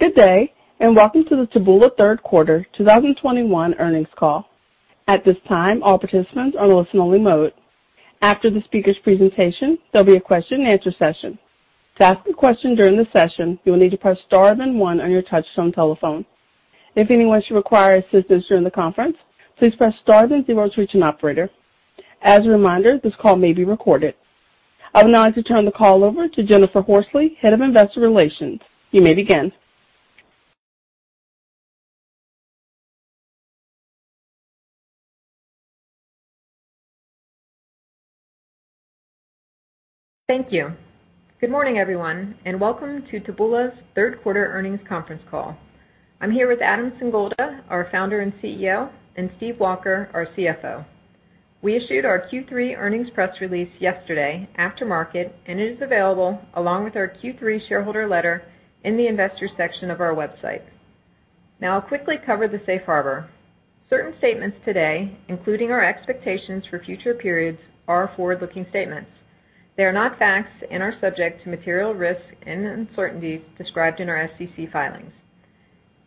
Good day, and welcome to the Taboola Q3 2021 earnings call. At this time, all participants are in listen-only mode. After the speaker's presentation, there'll be a question-and-answer session. To ask a question during the session, you will need to press star then one on your touchtone telephone. If anyone should require assistance during the conference, please press star then zero to reach an operator. As a reminder, this call may be recorded. I would now like to turn the call over to Jennifer Horsley, Head of Investor Relations. You may begin. Thank you. Good morning, everyone, and welcome to Taboola's Q3 earnings conference call. I'm here with Adam Singolda, our founder and CEO, and Steve Walker, our CFO. We issued our Q3 earnings press release yesterday after market, and it is available along with our Q3 shareholder letter in the investor section of our website. Now, I'll quickly cover the safe harbor. Certain statements today, including our expectations for future periods, are forward-looking statements. They are not facts and are subject to material risks and uncertainties described in our SEC filings.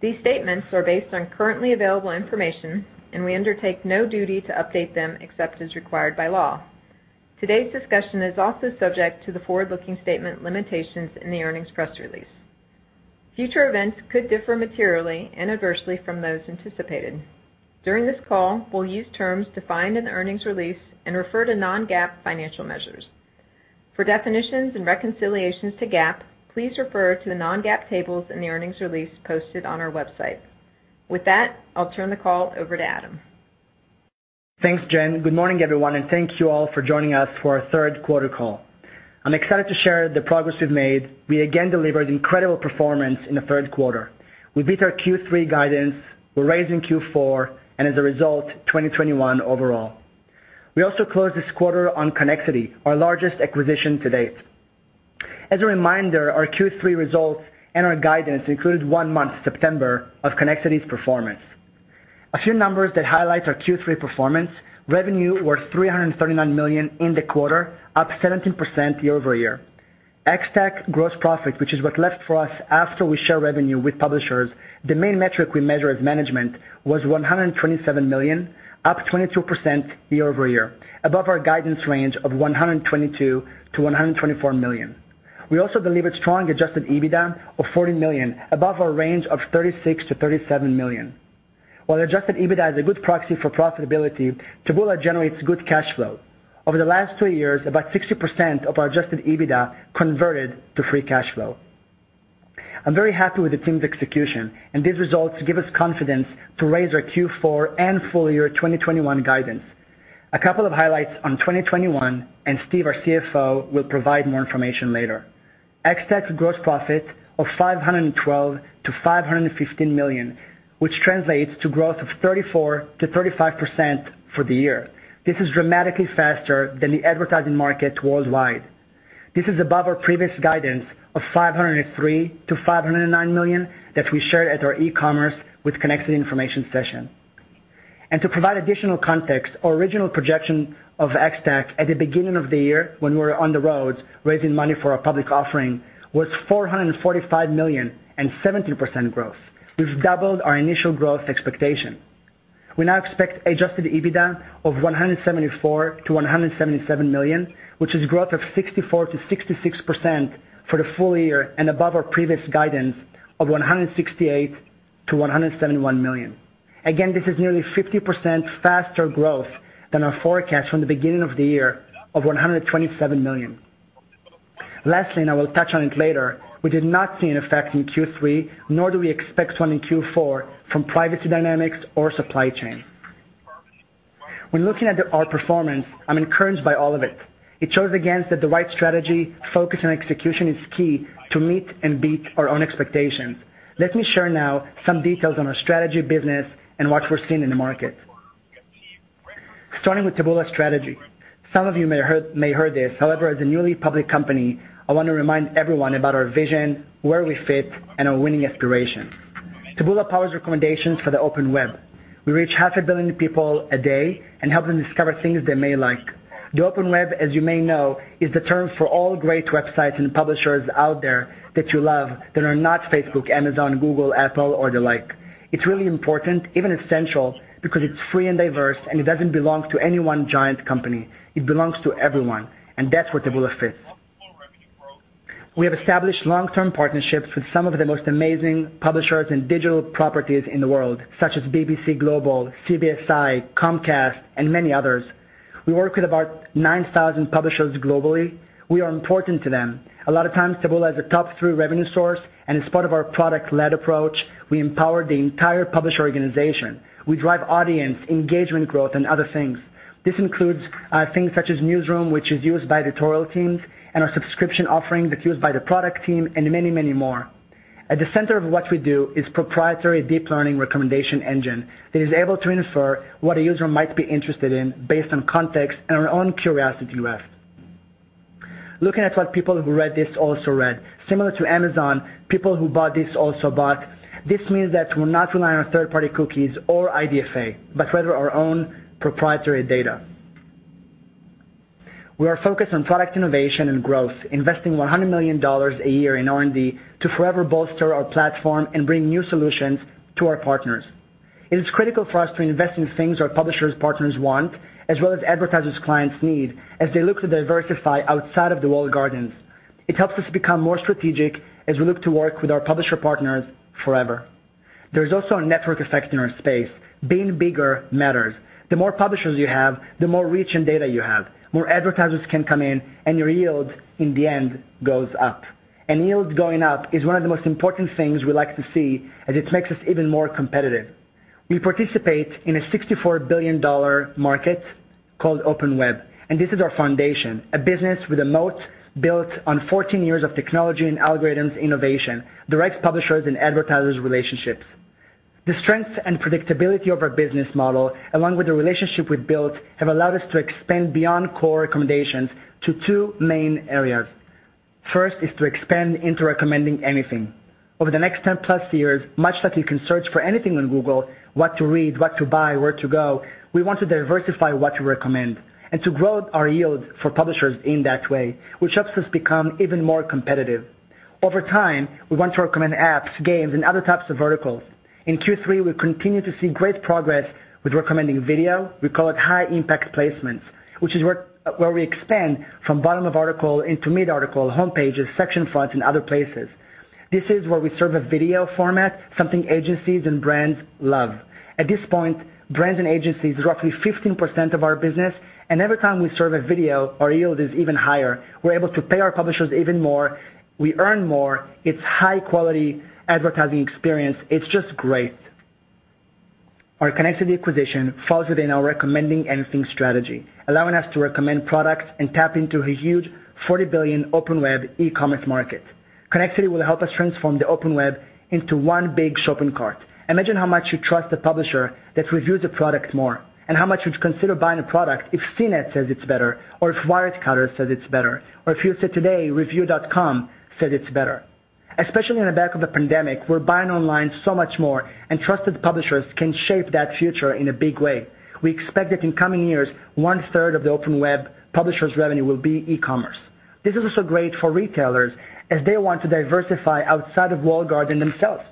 These statements are based on currently available information, and we undertake no duty to update them except as required by law. Today's discussion is also subject to the forward-looking statement limitations in the earnings press release. Future events could differ materially and adversely from those anticipated. During this call, we'll use terms defined in the earnings release and refer to non-GAAP financial measures. For definitions and reconciliations to GAAP, please refer to the non-GAAP tables in the earnings release posted on our website. With that, I'll turn the call over to Adam. Thanks, Jen. Good morning, everyone, and thank you all for joining us for our Q3 call. I'm excited to share the progress we've made. We again delivered incredible performance in Q3. We beat our Q3 guidance. We're raising Q4 and as a result, 2021 overall. We also closed this quarter on Connexity, our largest acquisition to date. As a reminder, our Q3 results and our guidance included one month, September, of Connexity's performance. A few numbers that highlight our Q3 performance. Revenue was $339 million in the quarter, up 17% year-over-year. ex-TAC gross profit, which is what's left for us after we share revenue with publishers, the main metric we measure as management, was $127 million, up 22% year-over-year, above our guidance range of $122 million-$124 million. We also delivered strong adjusted EBITDA of $40 million above our range of $36 million-$37 million. While adjusted EBITDA is a good proxy for profitability, Taboola generates good cash flow. Over the last two years, about 60% of our adjusted EBITDA converted to free cash flow. I'm very happy with the team's execution and these results give us confidence to raise our Q4 and full year 2021 guidance. A couple of highlights on 2021, and Steve, our CFO, will provide more information later. Ex-TAC gross profit of $512 million-$515 million, which translates to growth of 34%-35% for the year. This is dramatically faster than the advertising market worldwide. This is above our previous guidance of $503 million-$509 million that we shared at our e-commerce with Connexity information session. To provide additional context, our original projection of ex-TAC at the beginning of the year when we were on the road raising money for our public offering was $445 million and 70% growth. We've doubled our initial growth expectation. We now expect adjusted EBITDA of $174 million-$177 million, which is growth of 64%-66% for the full year and above our previous guidance of $168 million-$171 million. Again, this is nearly 50% faster growth than our forecast from the beginning of the year of $127 million. Lastly, and I will touch on it later, we did not see an effect in Q3, nor do we expect one in Q4 from privacy dynamics or supply chain. When looking at our performance, I'm encouraged by all of it. It shows again that the right strategy, focus, and execution is key to meet and beat our own expectations. Let me share now some details on our strategy, business, and what we're seeing in the market. Starting with Taboola's strategy. Some of you may have heard this. However, as a newly public company, I want to remind everyone about our vision, where we fit, and our winning aspiration. Taboola powers recommendations for the Open Web. We reach 500 million people a day and help them discover things they may like. The Open Web, as you may know, is the term for all great websites and publishers out there that you love that are not Facebook, Amazon, Google, Apple, or the like. It's really important, even essential, because it's free and diverse, and it doesn't belong to any one giant company. It belongs to everyone, and that's where Taboola fits. We have established long-term partnerships with some of the most amazing publishers and digital properties in the world, such as BBC Global, CBSI, Comcast, and many others. We work with about 9,000 publishers globally. We are important to them. A lot of times, Taboola is a top three revenue source, and as part of our product-led approach, we empower the entire publisher organization. We drive audience, engagement growth, and other things. This includes things such as Newsroom, which is used by editorial teams, and our subscription offering that's used by the product team and many, many more. At the center of what we do is proprietary deep learning recommendation engine that is able to infer what a user might be interested in based on context and our own curiosity graph, looking at what people who read this also read, similar to Amazon, people who bought this also bought. This means that we'll not rely on third-party cookies or IDFA, but rather our own proprietary data. We are focused on product innovation and growth, investing $100 million a year in R&D to forever bolster our platform and bring new solutions to our partners. It is critical for us to invest in things our publisher partners want, as well as advertiser clients need as they look to diversify outside of the walled gardens. It helps us become more strategic as we look to work with our publisher partners forever. There's also a network effect in our space. Being bigger matters. The more publishers you have, the more reach and data you have. More advertisers can come in, and your yield in the end goes up. Yields going up is one of the most important things we like to see as it makes us even more competitive. We participate in a $64 billion market called Open Web, and this is our foundation, a business with a moat built on 14 years of technology and algorithms innovation, the right publishers and advertisers relationships. The strengths and predictability of our business model, along with the relationship we've built, have allowed us to expand beyond core recommendations to two main areas. First is to expand into recommending anything. Over the next 10+ years, much like you can search for anything on Google, what to read, what to buy, where to go, we want to diversify what to recommend and to grow our yield for publishers in that way, which helps us become even more competitive. Over time, we want to recommend apps, games, and other types of verticals. In Q3, we continue to see great progress with recommending video. We call it High Impact Placements, which is where we expand from bottom of article into mid-article, home pages, section fronts, and other places. This is where we serve a video format, something agencies and brands love. At this point, brands and agencies is roughly 15% of our business, and every time we serve a video, our yield is even higher. We're able to pay our publishers even more. We earn more. It's high-quality advertising experience. It's just great. Our Connexity acquisition falls within our Recommend Anything strategy, allowing us to recommend products and tap into a huge $40 billion Open Web e-commerce market. Connexity will help us transform the Open Web into one big shopping cart. Imagine how much you trust the publisher that reviews a product more, and how much you'd consider buying a product if CNET says it's better, or if Wirecutter says it's better, or if USA Today Reviewed.com says it's better. Especially on the back of the pandemic, we're buying online so much more, and trusted publishers can shape that future in a big way. We expect that in coming years, one-third of the Open Web publishers' revenue will be e-commerce. This is also great for retailers as they want to diversify outside of walled gardens themselves.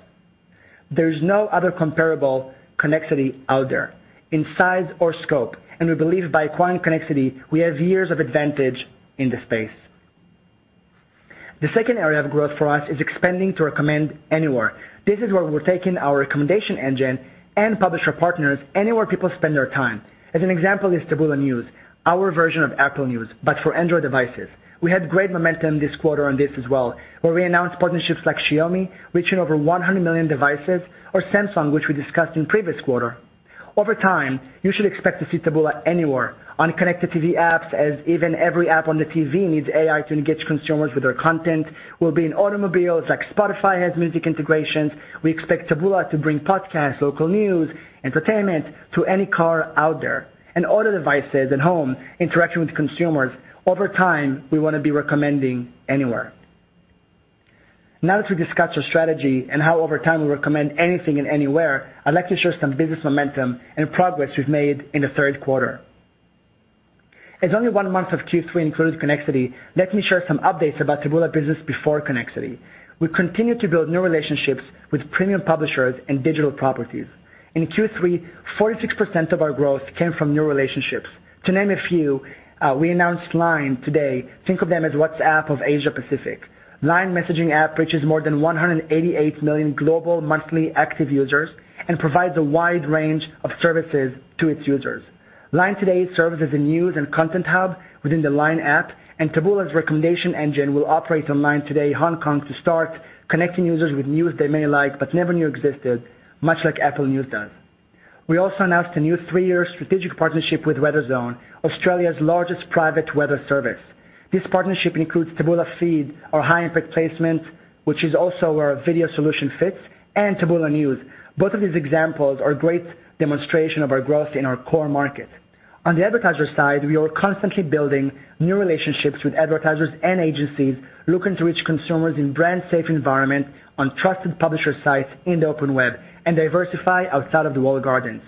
There's no other comparable Connexity out there in size or scope, and we believe by acquiring Connexity, we have years of advantage in this space. The second area of growth for us is expanding to recommend anywhere. This is where we're taking our recommendation engine and publisher partners anywhere people spend their time. As an example is Taboola News, our version of Apple News, but for Android devices. We had great momentum this quarter on this as well, where we announced partnerships like Xiaomi, reaching over 100 million devices, or Samsung, which we discussed in previous quarter. Over time, you should expect to see Taboola anywhere. On connected TV apps, as even every app on the TV needs AI to engage consumers with their content, we'll be in automobiles like Spotify has music integrations. We expect Taboola to bring podcasts, local news, entertainment to any car out there and other devices at home interacting with consumers. Over time, we want to be recommending anywhere. Now that we've discussed our strategy and how over time we recommend anything and anywhere, I'd like to share some business momentum and progress we've made in Q3. As only one month of Q3 includes Connexity, let me share some updates about Taboola business before Connexity. We continue to build new relationships with premium publishers and digital properties. In Q3, 46% of our growth came from new relationships. To name a few, we announced LINE Today. Think of them as WhatsApp of Asia-Pacific. LINE messaging app reaches more than 188 million global monthly active users and provides a wide range of services to its users. LINE Today serves as a news and content hub within the LINE app, and Taboola's recommendation engine will operate on LINE Today Hong Kong to start connecting users with news they may like but never knew existed, much like Apple News does. We also announced a new three-year strategic partnership with Weatherzone, Australia's largest private weather service. This partnership includes Taboola Feed, our High Impact Placement, which is also where our video solution fits, and Taboola News. Both of these examples are great demonstration of our growth in our core market. On the advertiser side, we are constantly building new relationships with advertisers and agencies looking to reach consumers in brand-safe environment on trusted publisher sites in the Open Web and diversify outside of the walled gardens.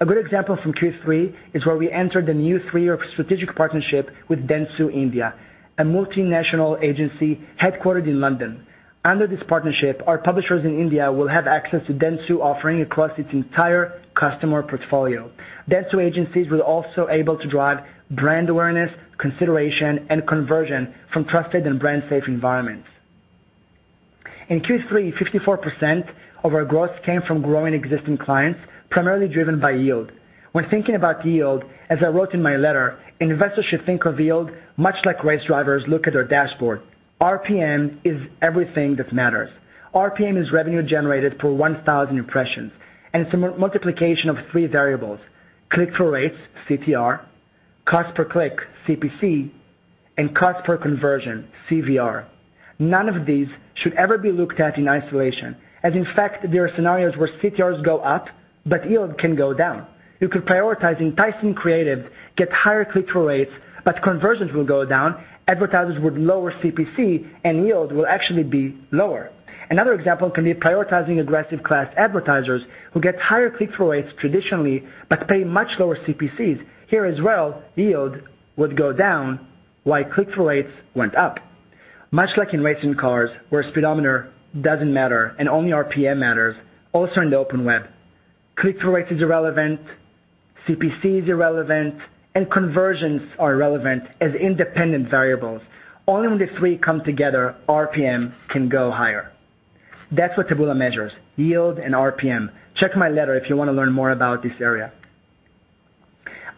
A good example from Q3 is where we entered the new three-year strategic partnership with Dentsu India, a multinational agency headquartered in London. Under this partnership, our publishers in India will have access to Dentsu offering across its entire customer portfolio. Dentsu agencies will also be able to drive brand awareness, consideration, and conversion from trusted and brand safe environments. In Q3, 54% of our growth came from growing existing clients, primarily driven by yield. When thinking about yield, as I wrote in my letter, investors should think of yield much like race drivers look at their dashboard. RPM is everything that matters. RPM is revenue generated per 1,000 impressions, and it's a multiplication of three variables, click-through rates, CTR, cost per click, CPC, and cost per conversion, CVR. None of these should ever be looked at in isolation, as in fact, there are scenarios where CTRs go up, but yield can go down. You could prioritize enticing creative, get higher click-through rates, but conversions will go down, advertisers would lower CPC, and yield will actually be lower. Another example can be prioritizing aggressive class advertisers who get higher click-through rates traditionally, but pay much lower CPCs. Here as well, yield would go down while click-through rates went up. Much like in racing cars, where speedometer doesn't matter and only RPM matters, also in the Open Web, click-through rate is irrelevant, CPC is irrelevant, and conversions are irrelevant as independent variables. Only when the three come together, RPM can go higher. That's what Taboola measures, yield and RPM. Check my letter if you want to learn more about this area.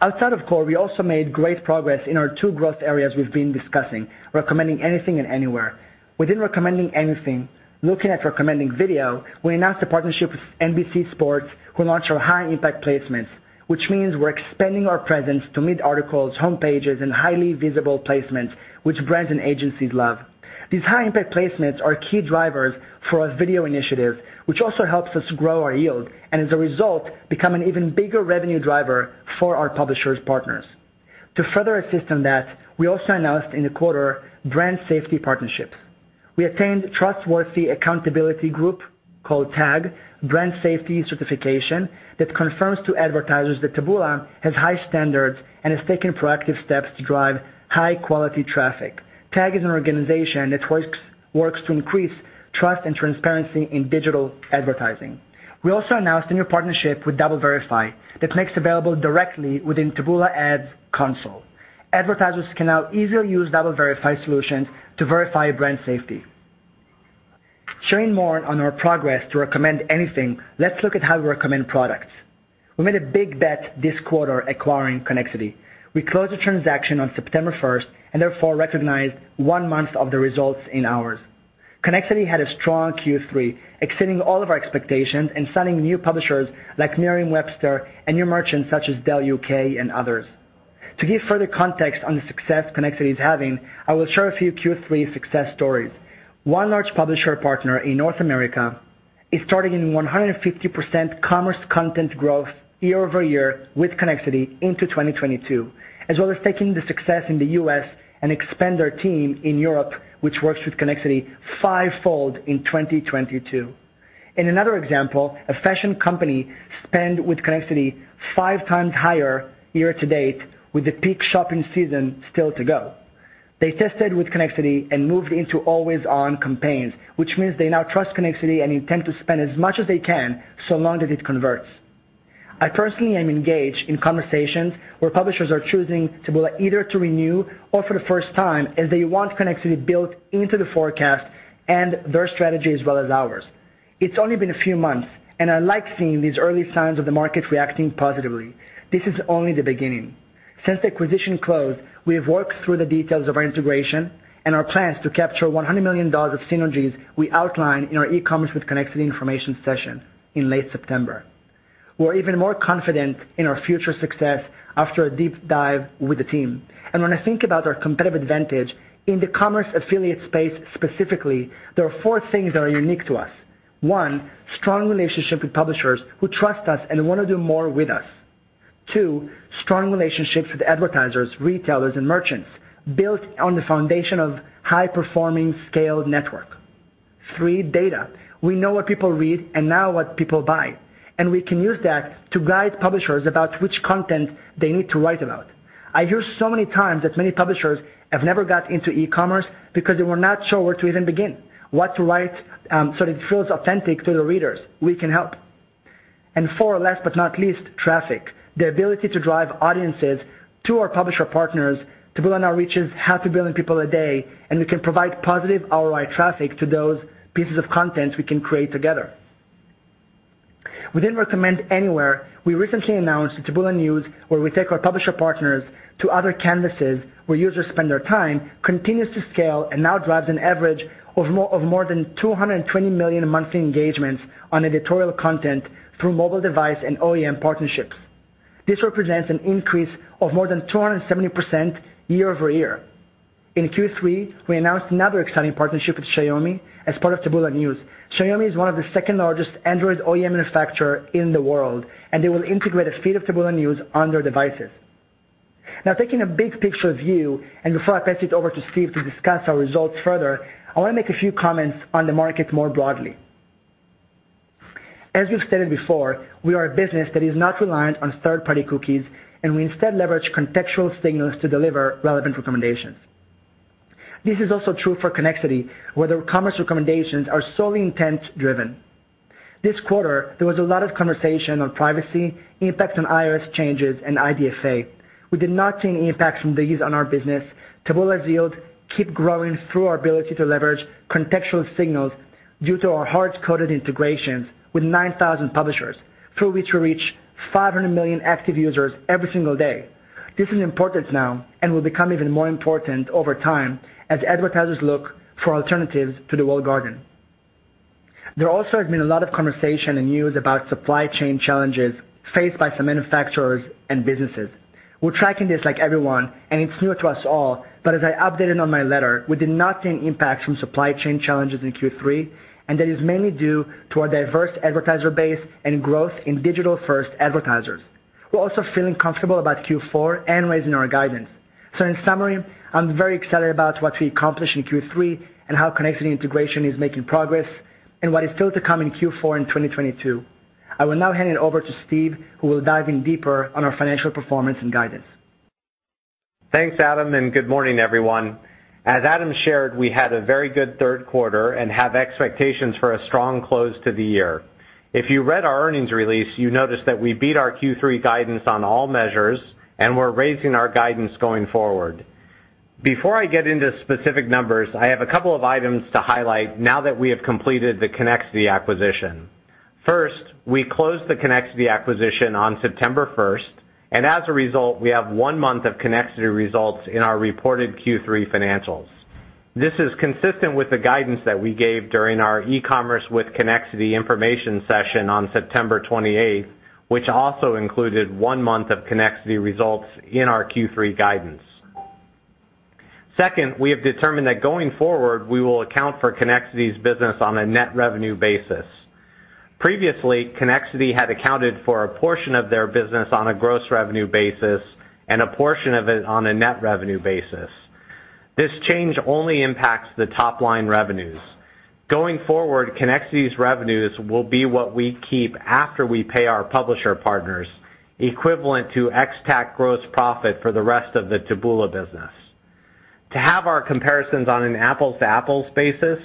Outside of core, we also made great progress in our two growth areas we've been discussing, Recommend Anything and Recommend Anywhere. Within Recommend Anything, looking at recommending video, we announced a partnership with NBC Sports who launched our High Impact Placements, which means we're expanding our presence to mid-articles, homepages, and highly visible placements which brands and agencies love. These High Impact Placements are key drivers for our video initiative, which also helps us grow our yield, and as a result, become an even bigger revenue driver for our publisher partners. To further assist on that, we also announced in the quarter brand safety partnerships. We attained Trustworthy Accountability Group called TAG, Brand Safety Certified, that confirms to advertisers that Taboola has high standards and has taken proactive steps to drive high-quality traffic. TAG is an organization that works to increase trust and transparency in digital advertising. We also announced a new partnership with DoubleVerify that makes available directly within the Taboola Ads console. Advertisers can now easily use DoubleVerify solutions to verify brand safety. Sharing more on our progress to Recommend Anything, let's look at how we recommend products. We made a big bet this quarter acquiring Connexity. We closed the transaction on September 1st, and therefore recognized one month of the results in ours. Connexity had a strong Q3, exceeding all of our expectations and signing new publishers like Merriam-Webster and new merchants such as Dell UK and others. To give further context on the success Connexity is having, I will share a few Q3 success stories. One large publisher partner in North America is starting in 150% commerce content growth year-over-year with Connexity into 2022, as well as taking the success in the U.S. and expand their team in Europe, which works with Connexity 5-fold in 2022. In another example, a fashion company spent with Connexity five times higher year-to-date with the peak shopping season still to go. They tested with Connexity and moved into always-on campaigns, which means they now trust Connexity and intend to spend as much as they can so long that it converts. I personally am engaged in conversations where publishers are choosing Taboola either to renew or for the first time, as they want Connexity built into the forecast and their strategy as well as ours. It's only been a few months, and I like seeing these early signs of the market reacting positively. This is only the beginning. Since the acquisition closed, we have worked through the details of our integration and our plans to capture $100 million of synergies we outlined in our e-commerce with Connexity information session in late September. We're even more confident in our future success after a deep dive with the team. When I think about our competitive advantage in the commerce affiliate space specifically, there are four things that are unique to us. One, strong relationship with publishers who trust us and want to do more with us. Two, strong relationships with advertisers, retailers, and merchants built on the foundation of high-performing scaled network. Three, data. We know what people read and know what people buy, and we can use that to guide publishers about which content they need to write about. I hear so many times that many publishers have never got into e-commerce because they were not sure where to even begin, what to write, so that it feels authentic to the readers. We can help. Four, last but not least, traffic. The ability to drive audiences to our publisher partners to build on our reach as we reach 500 million people a day, and we can provide positive ROI traffic to those pieces of content we can create together. Within Recommend Anywhere, we recently announced the Taboola News, where we take our publisher partners to other canvases where users spend their time, continues to scale and now drives an average of more than 220 million monthly engagements on editorial content through mobile device and OEM partnerships. This represents an increase of more than 270% year-over-year. In Q3, we announced another exciting partnership with Xiaomi as part of Taboola News. Xiaomi is one of the second-largest Android OEM manufacturer in the world, and they will integrate a feed of Taboola News on their devices. Now, taking a big picture view, and before I pass it over to Steve to discuss our results further, I want to make a few comments on the market more broadly. As we've stated before, we are a business that is not reliant on third-party cookies, and we instead leverage contextual signals to deliver relevant recommendations. This is also true for Connexity, where their commerce recommendations are solely intent-driven. This quarter, there was a lot of conversation on privacy, impact on iOS changes, and IDFA. We did not see any impacts from these on our business. Taboola's yield keep growing through our ability to leverage contextual signals due to our hard-coded integrations with 9,000 publishers, through which we reach 500 million active users every single day. This is important now and will become even more important over time as advertisers look for alternatives to the walled garden. There also has been a lot of conversation and news about supply chain challenges faced by some manufacturers and businesses. We're tracking this like everyone, and it's new to us all, but as I updated on my letter, we did not see any impacts from supply chain challenges in Q3, and that is mainly due to our diverse advertiser base and growth in digital-first advertisers. We're also feeling comfortable about Q4 and raising our guidance. In summary, I'm very excited about what we accomplished in Q3 and how Connexity integration is making progress and what is still to come in Q4 in 2022. I will now hand it over to Steve, who will dive in deeper on our financial performance and guidance. Thanks, Adam, and good morning, everyone. As Adam shared, we had a very good Q3 and have expectations for a strong close to the year. If you read our earnings release, you noticed that we beat our Q3 guidance on all measures, and we're raising our guidance going forward. Before I get into specific numbers, I have a couple of items to highlight now that we have completed the Connexity acquisition. First, we closed the Connexity acquisition on September 1st, and as a result, we have one month of Connexity results in our reported Q3 financials. This is consistent with the guidance that we gave during our eCommerce with Connexity information session on September 28th, which also included one month of Connexity results in our Q3 guidance. Second, we have determined that going forward, we will account for Connexity's business on a net revenue basis. Previously, Connexity had accounted for a portion of their business on a gross revenue basis and a portion of it on a net revenue basis. This change only impacts the top-line revenues. Going forward, Connexity's revenues will be what we keep after we pay our publisher partners, equivalent to ex-TAC gross profit for the rest of the Taboola business. To have our comparisons on an apples-to-apples basis,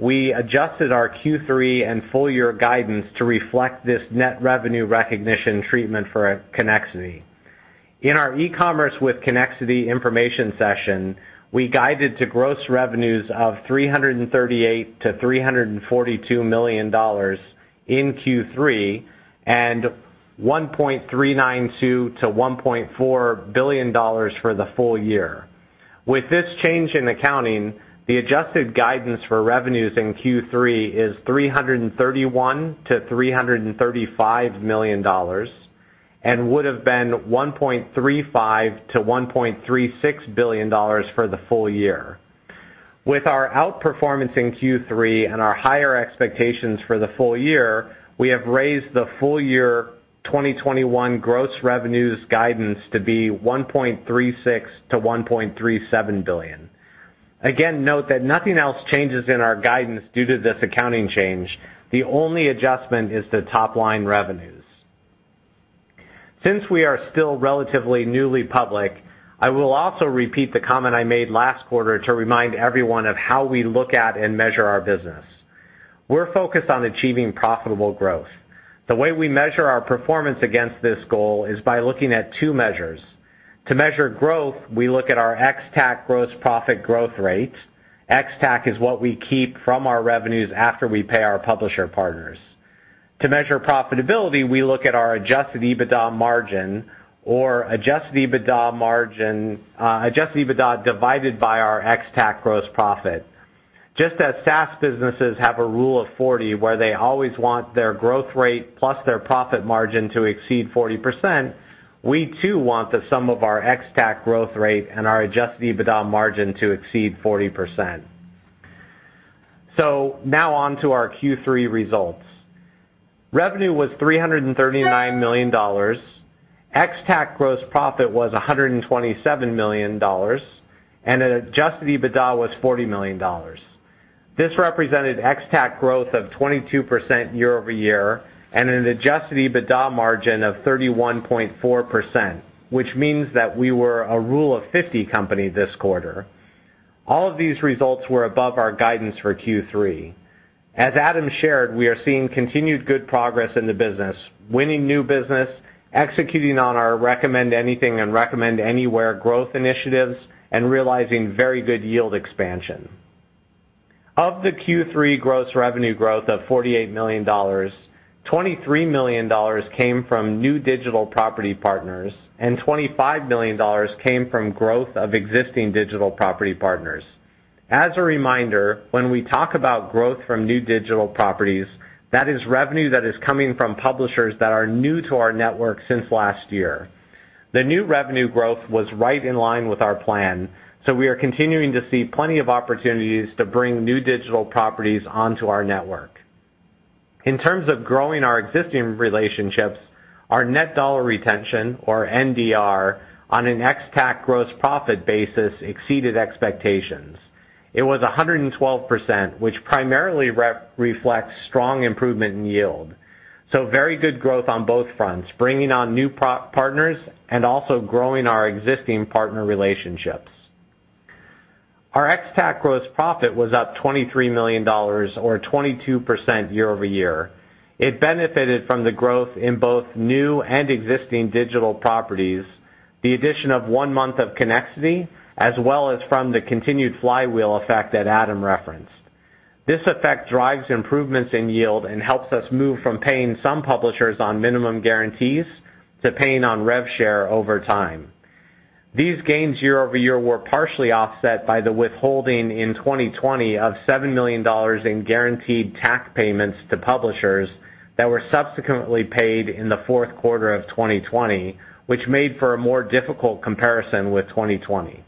we adjusted our Q3 and full year guidance to reflect this net revenue recognition treatment for Connexity. In our e-commerce with Connexity information session, we guided to gross revenues of $338 million-$342 million in Q3 and $1.392 billion-$1.4 billion for the full year. With this change in accounting, the adjusted guidance for revenues in Q3 is $331 million-$335 million and would have been $1.35 billion-$1.36 billion for the full year. With our outperformance in Q3 and our higher expectations for the full year, we have raised the full year 2021 gross revenues guidance to be $1.36 billion-$1.37 billion. Again, note that nothing else changes in our guidance due to this accounting change. The only adjustment is the top line revenues. Since we are still relatively newly public, I will also repeat the comment I made last quarter to remind everyone of how we look at and measure our business. We're focused on achieving profitable growth. The way we measure our performance against this goal is by looking at two measures. To measure growth, we look at our ex-TAC gross profit growth rate. Ex-TAC is what we keep from our revenues after we pay our publisher partners. To measure profitability, we look at our adjusted EBITDA margin, adjusted EBITDA divided by our ex-TAC gross profit. Just as SaaS businesses have a Rule of 40, where they always want their growth rate plus their profit margin to exceed 40%, we too want the sum of our ex-TAC growth rate and our adjusted EBITDA margin to exceed 40%. Now on to our Q3 results. Revenue was $339 million. Ex-TAC gross profit was $127 million and adjusted EBITDA was $40 million. This represented ex-TAC growth of 22% year-over-year and an adjusted EBITDA margin of 31.4%, which means that we were a Rule of 40 company this quarter. All of these results were above our guidance for Q3. As Adam shared, we are seeing continued good progress in the business, winning new business, executing on our Recommend Anything and Recommend Anywhere growth initiatives, and realizing very good yield expansion. Of Q3 gross revenue growth of $48 million, $23 million came from new digital property partners and $25 million came from growth of existing digital property partners. As a reminder, when we talk about growth from new digital properties, that is revenue that is coming from publishers that are new to our network since last year. The new revenue growth was right in line with our plan, so we are continuing to see plenty of opportunities to bring new digital properties onto our network. In terms of growing our existing relationships, our net dollar retention or NDR on an ex-TAC gross profit basis exceeded expectations. It was 112%, which primarily reflects strong improvement in yield. Very good growth on both fronts, bringing on new partners and also growing our existing partner relationships. Our ex-TAC gross profit was up $23 million or 22% year-over-year. It benefited from the growth in both new and existing digital properties, the addition of one month of Connexity, as well as from the continued flywheel effect that Adam referenced. This effect drives improvements in yield and helps us move from paying some publishers on minimum guarantees to paying on rev share over time. These gains year-over-year were partially offset by the withholding in 2020 of $7 million in guaranteed TAC payments to publishers that were subsequently paid in Q4 of 2020, which made for a more difficult comparison with 2020.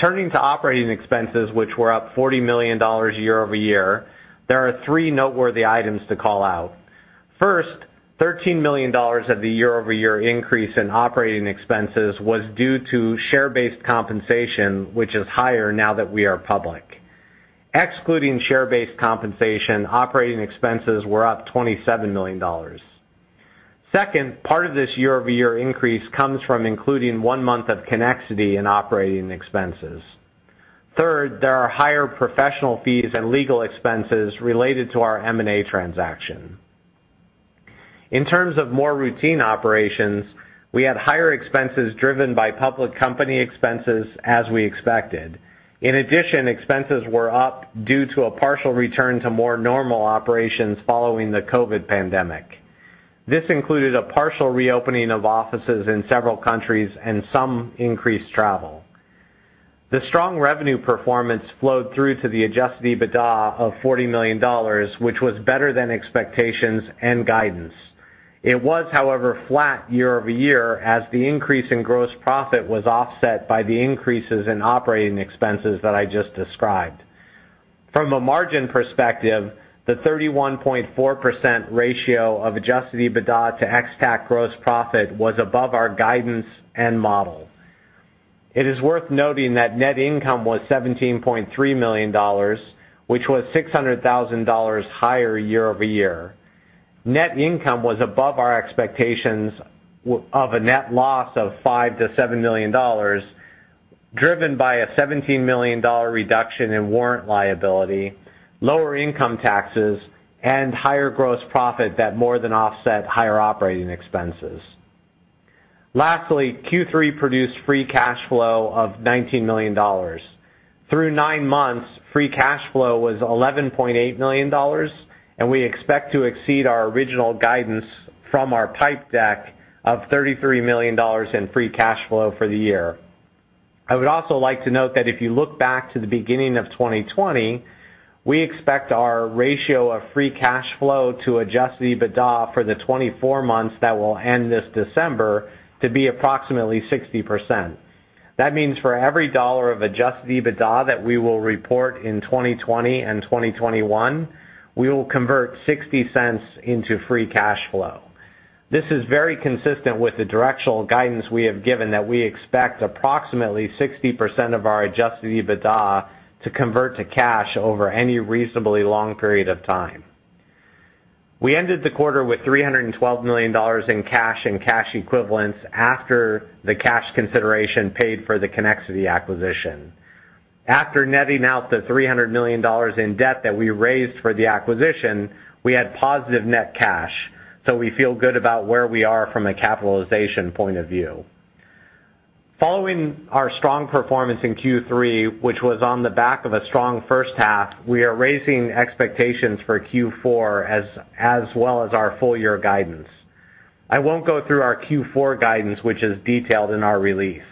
Turning to operating expenses, which were up $40 million year-over-year, there are three noteworthy items to call out. First, $13 million of the year-over-year increase in operating expenses was due to share-based compensation, which is higher now that we are public. Excluding share-based compensation, operating expenses were up $27 million. Second, part of this year-over-year increase comes from including one month of Connexity in operating expenses. Third, there are higher professional fees and legal expenses related to our M&A transaction. In terms of more routine operations, we had higher expenses driven by public company expenses, as we expected. In addition, expenses were up due to a partial return to more normal operations following the COVID pandemic. This included a partial reopening of offices in several countries and some increased travel. The strong revenue performance flowed through to the adjusted EBITDA of $40 million, which was better than expectations and guidance. It was, however, flat year-over-year, as the increase in gross profit was offset by the increases in operating expenses that I just described. From a margin perspective, the 31.4% ratio of adjusted EBITDA to ex-TAC Gross Profit was above our guidance and model. It is worth noting that net income was $17.3 million, which was $600 thousand higher year-over-year. Net income was above our expectations of a net loss of $5 million-$7 million, driven by a $17 million reduction in warrant liability, lower income taxes, and higher gross profit that more than offset higher operating expenses. Lastly, Q3 produced free cash flow of $19 million. Through nine months, free cash flow was $11.8 million, and we expect to exceed our original guidance from our pipe deck of $33 million in free cash flow for the year. I would also like to note that if you look back to the beginning of 2020, we expect our ratio of free cash flow to adjusted EBITDA for the 24 months that will end this December to be approximately 60%. That means for every dollar of adjusted EBITDA that we will report in 2020 and 2021, we will convert $0.60 into free cash flow. This is very consistent with the directional guidance we have given that we expect approximately 60% of our adjusted EBITDA to convert to cash over any reasonably long period of time. We ended the quarter with $312 million in cash and cash equivalents after the cash consideration paid for the Connexity acquisition. After netting out the $300 million in debt that we raised for the acquisition, we had positive net cash, so we feel good about where we are from a capitalization point of view. Following our strong performance in Q3, which was on the back of a strong first half, we are raising expectations for Q4 as well as our full year guidance. I won't go through our Q4 guidance, which is detailed in our release.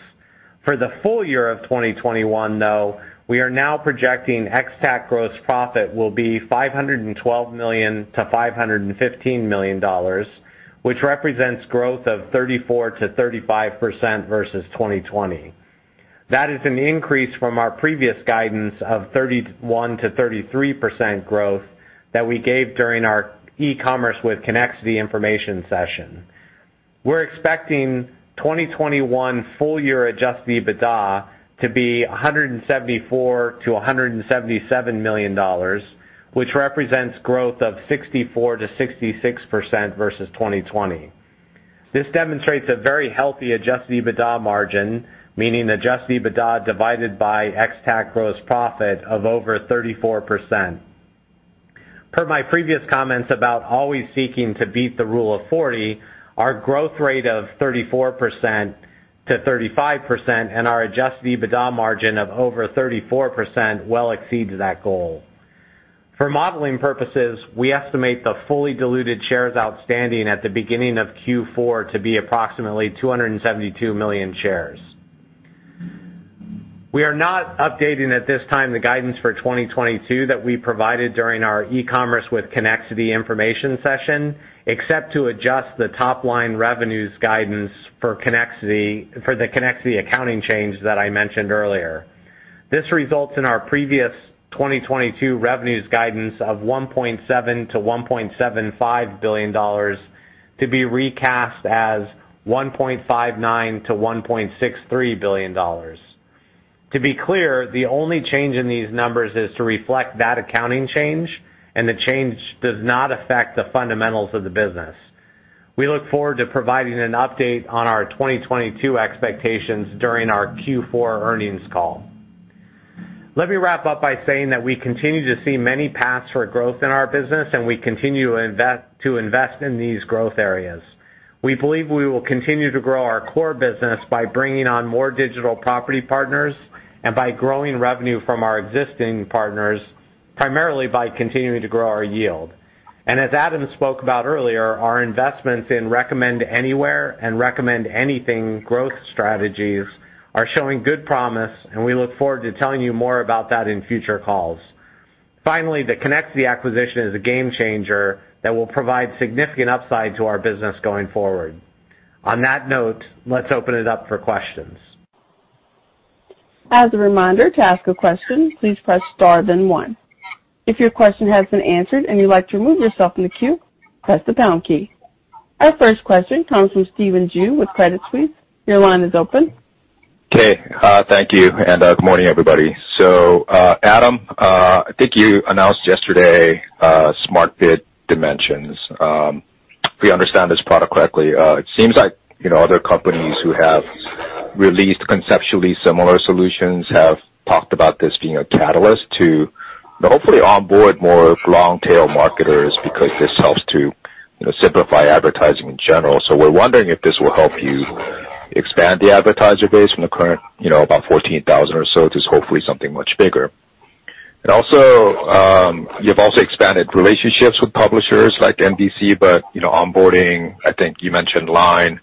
For the full year of 2021, though, we are now projecting ex-TAC gross profit will be $512 million-$515 million, which represents growth of 34%-35% versus 2020. That is an increase from our previous guidance of 31%-33% growth that we gave during our e-commerce with Connexity information session. We're expecting 2021 full year adjusted EBITDA to be $174 million-$177 million, which represents growth of 64%-66% versus 2020. This demonstrates a very healthy adjusted EBITDA margin, meaning adjusted EBITDA divided by ex-TAC gross profit of over 34%. Per my previous comments about always seeking to beat the Rule of 40, our growth rate of 34%-35% and our adjusted EBITDA margin of over 34% well exceeds that goal. For modeling purposes, we estimate the fully diluted shares outstanding at the beginning of Q4 to be approximately 272 million shares. We are not updating at this time the guidance for 2022 that we provided during our e-commerce with Connexity information session, except to adjust the top-line revenues guidance for the Connexity accounting change that I mentioned earlier. This results in our previous 2022 revenues guidance of $1.7 billion-$1.75 billion to be recast as $1.59 billion-$1.63 billion. To be clear, the only change in these numbers is to reflect that accounting change, and the change does not affect the fundamentals of the business. We look forward to providing an update on our 2022 expectations during our Q4 earnings call. Let me wrap up by saying that we continue to see many paths for growth in our business, and we continue to invest in these growth areas. We believe we will continue to grow our core business by bringing on more digital property partners and by growing revenue from our existing partners, primarily by continuing to grow our yield. As Adam spoke about earlier, our investments in Recommend Anywhere and Recommend Anything growth strategies are showing good promise, and we look forward to telling you more about that in future calls. Finally, the Connexity acquisition is a game changer that will provide significant upside to our business going forward. On that note, let's open it up for questions. As a reminder, to ask a question, please press star then one. If your question has been answered and you would like to remove yourself from the queue, press the pound key. Our first question comes from Stephen Ju with Credit Suisse. Your line is open. Okay. Thank you, and good morning, everybody. Adam, I think you announced yesterday, SmartBid Dimensions. If we understand this product correctly, it seems like other companies who have released conceptually similar solutions have talked about this being a catalyst to hopefully onboard more long-tail marketers because this helps to, simplify advertising in general. We're wondering if this will help you expand the advertiser base from the current, about 14,000 or so to hopefully something much bigger. Also, you've also expanded relationships with publishers like NBC, but onboarding, I think you mentioned LINE,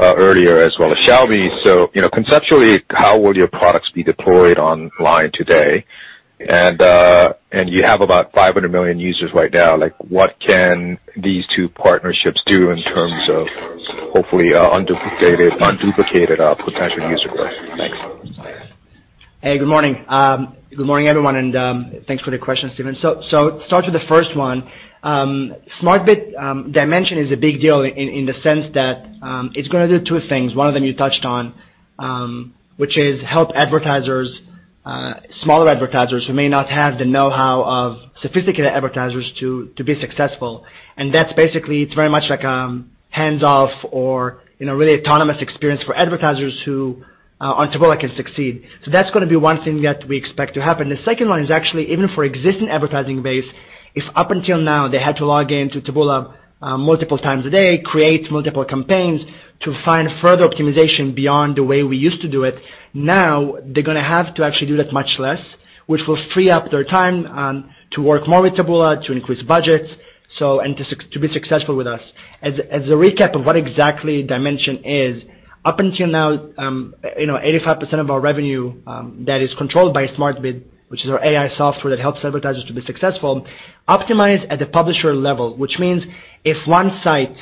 earlier as well as Xiaomi. Conceptually, how will your products be deployed on LINE today? You have about 500 million users right now. What can these two partnerships do in terms of hopefully unduplicated potential user base? Thanks. Hey, good morning. Good morning, everyone, and thanks for the question, Stephen. To start with the first one, SmartBid Dimensions is a big deal in the sense that it's going to do two things. One of them you touched on, which is help advertisers, smaller advertisers who may not have the know-how of sophisticated advertisers to be successful and that's basically it's very much like hands-off or a really autonomous experience for advertisers who on Taboola can succeed. That's going to be one thing that we expect to happen. The second one is actually even for existing advertiser base, if up until now they had to log in to Taboola, multiple times a day, create multiple campaigns to find further optimization beyond the way we used to do it, now they're going to have to actually do that much less, which will free up their time, to work more with Taboola, to increase budgets, and to be successful with us. As a recap of what exactly Dimensions is, up until now, 85% of our revenue that is controlled by SmartBid, which is our AI software that helps advertisers to be successful, optimized at the publisher level, which means if one site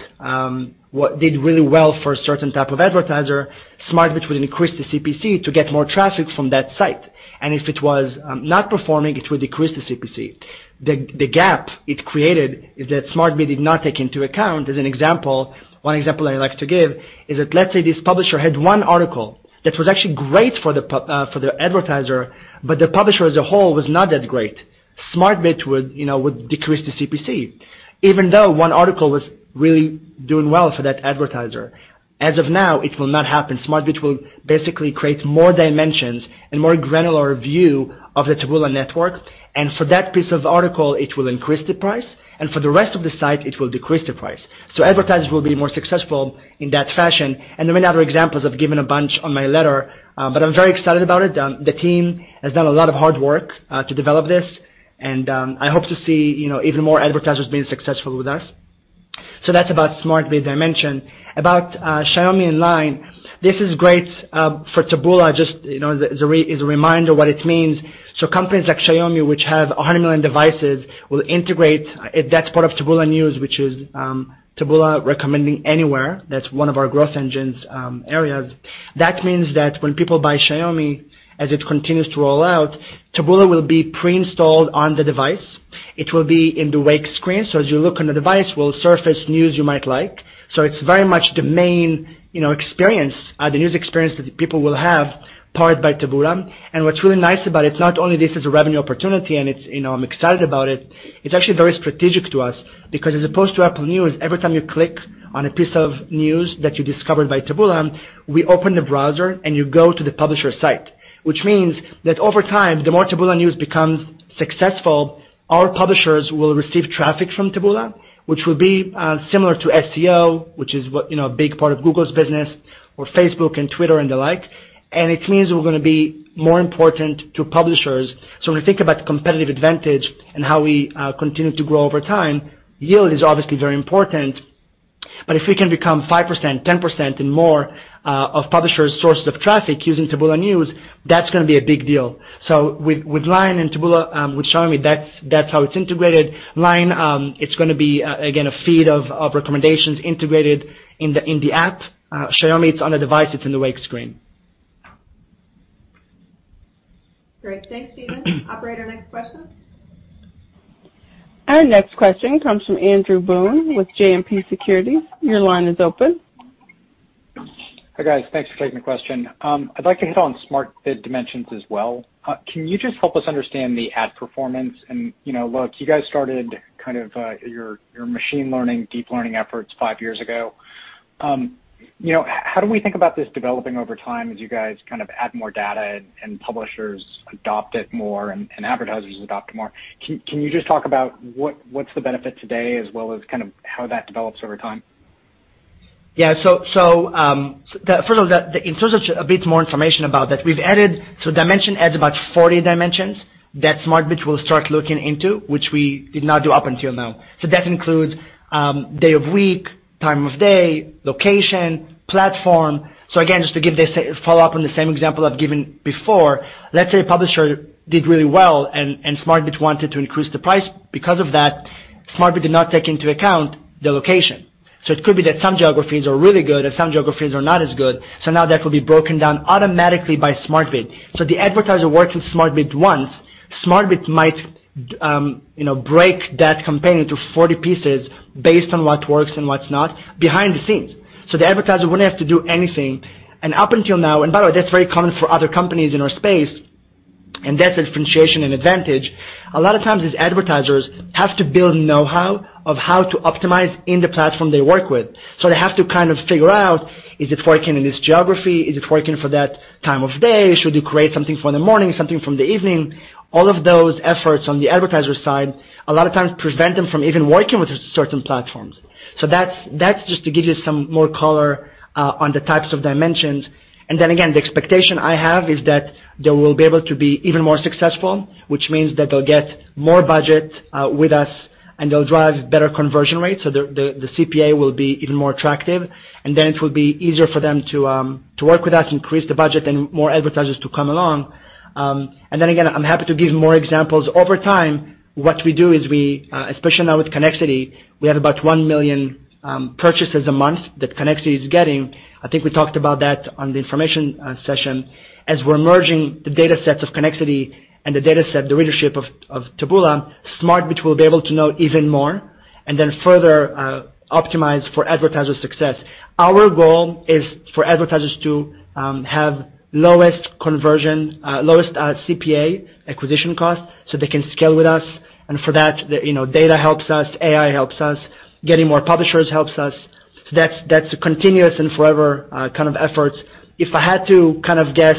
did really well for a certain type of advertiser, SmartBid would increase the CPC to get more traffic from that site. If it was not performing, it would decrease the CPC. The gap it created is that SmartBid did not take into account as an example, one example I like to give is that let's say this publisher had one article that was actually great for the pub, for the advertiser, but the publisher as a whole was not that great. SmartBid would decrease the CPC, even though one article was really doing well for that advertiser. As of now, it will not happen. SmartBid will basically create more dimensions and more granular view of the Taboola network. For that piece of article, it will increase the price, and for the rest of the site it will decrease the price. Advertisers will be more successful in that fashion. There are many other examples I've given a bunch on my letter, but I'm very excited about it. The team has done a lot of hard work to develop this, and I hope to see even more advertisers being successful with us. That's about SmarBid Dimensions. About Xiaomi and LINE, this is great for Taboola, just as a reminder what it means. Companies like Xiaomi, which have 100 million devices, will integrate, that's part of Taboola News, which is Taboola Recommend Anywhere. That's one of our growth engines areas. That means that when people buy Xiaomi, as it continues to roll out, Taboola will be pre-installed on the device. It will be in the lock screen. As you look on the device, we'll surface news you might like. It's very much the main experience, the news experience that people will have powered by Taboola. What's really nice about it's not only this is a revenue opportunity and I'm excited about it's actually very strategic to us because as opposed to Apple News, every time you click on a piece of news that you discovered by Taboola, we open the browser and you go to the publisher site, which means that over time, the more Taboola News becomes successful, our publishers will receive traffic from Taboola, which will be similar to SEO, which is what, a big part of Google's business or Facebook and Twitter and the like. It means we're going to be more important to publishers. When we think about competitive advantage and how we continue to grow over time, yield is obviously very important. If we can become 5%, 10% and more of publishers' sources of traffic using Taboola News, that's going to be a big deal. With LINE and Taboola, with Xiaomi, that's how it's integrated. LINE, it's going to be again a feed of recommendations integrated in the app. Xiaomi, it's on the device, it's in the lock screen. Great. Thanks, Stephen. Operator, next question. Our next question comes from Andrew Boone with JMP Securities. Your line is open. Hi, guys. Thanks for taking the question. I'd like to hit on SmartBid Dimensions as well. Can you just help us understand the ad performance? Look, you guys started your machine learning, deep learning efforts five years ago. how do we think about this developing over time as you guys add more data and publishers adopt it more and advertisers adopt it more? Can you just talk about what's the benefit today as well as how that develops over time? In terms of a bit more information about that, Dimensions adds about 40 dimensions that SmartBid will start looking into, which we did not do up until now. That includes day of week, time of day, location, platform. Again, just to give this follow-up on the same example I've given before, let's say a publisher did really well and SmartBid wanted to increase the price because of that, SmartBid did not take into account the location. It could be that some geographies are really good and some geographies are not as good. Now that will be broken down automatically by SmartBid. The advertiser works with SmartBid once. SmartBid might break that campaign into 40 pieces based on what works and what's not behind the scenes. The advertiser wouldn't have to do anything. Up until now. By the way, that's very common for other companies in our space, and that's differentiation and advantage. A lot of times, these advertisers have to build know-how of how to optimize in the platform they work with. They have to figure out, is it working in this geography? Is it working for that time of day? Should you create something for the morning, something from the evening? All of those efforts on the advertiser side, a lot of times prevent them from even working with certain platforms. That's just to give you some more color on the types of dimensions. The expectation I have is that they will be able to be even more successful, which means that they'll get more budget with us, and they'll drive better conversion rates. The CPA will be even more attractive. It will be easier for them to work with us, increase the budget, and more advertisers to come along. I'm happy to give more examples. Over time, what we do is we especially now with Connexity, we have about 1 million purchases a month that Connexity is getting. I think we talked about that on the information session. As we're merging the datasets of Connexity and the dataset, the readership of Taboola, SmartBid will be able to know even more and then further optimize for advertiser success. Our goal is for advertisers to have lowest CPA acquisition costs so they can scale with us. For that, data helps us, AI helps us, getting more publishers helps us. That's a continuous and forever efforts. If I had to guess,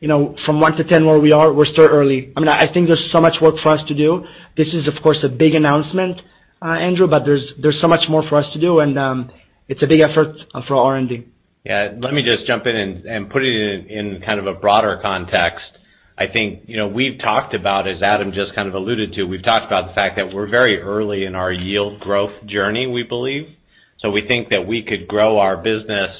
from one to 10 where we are, we're still early. I think there's so much work for us to do. This is, of course, a big announcement, Andrew, but there's so much more for us to do, and it's a big effort for R&D. Yes. Let me just jump in and put it in a broader context. I think, we've talked about, as Adam just alluded to, we've talked about the fact that we're very early in our yield growth journey, we believe. We think that we could grow our business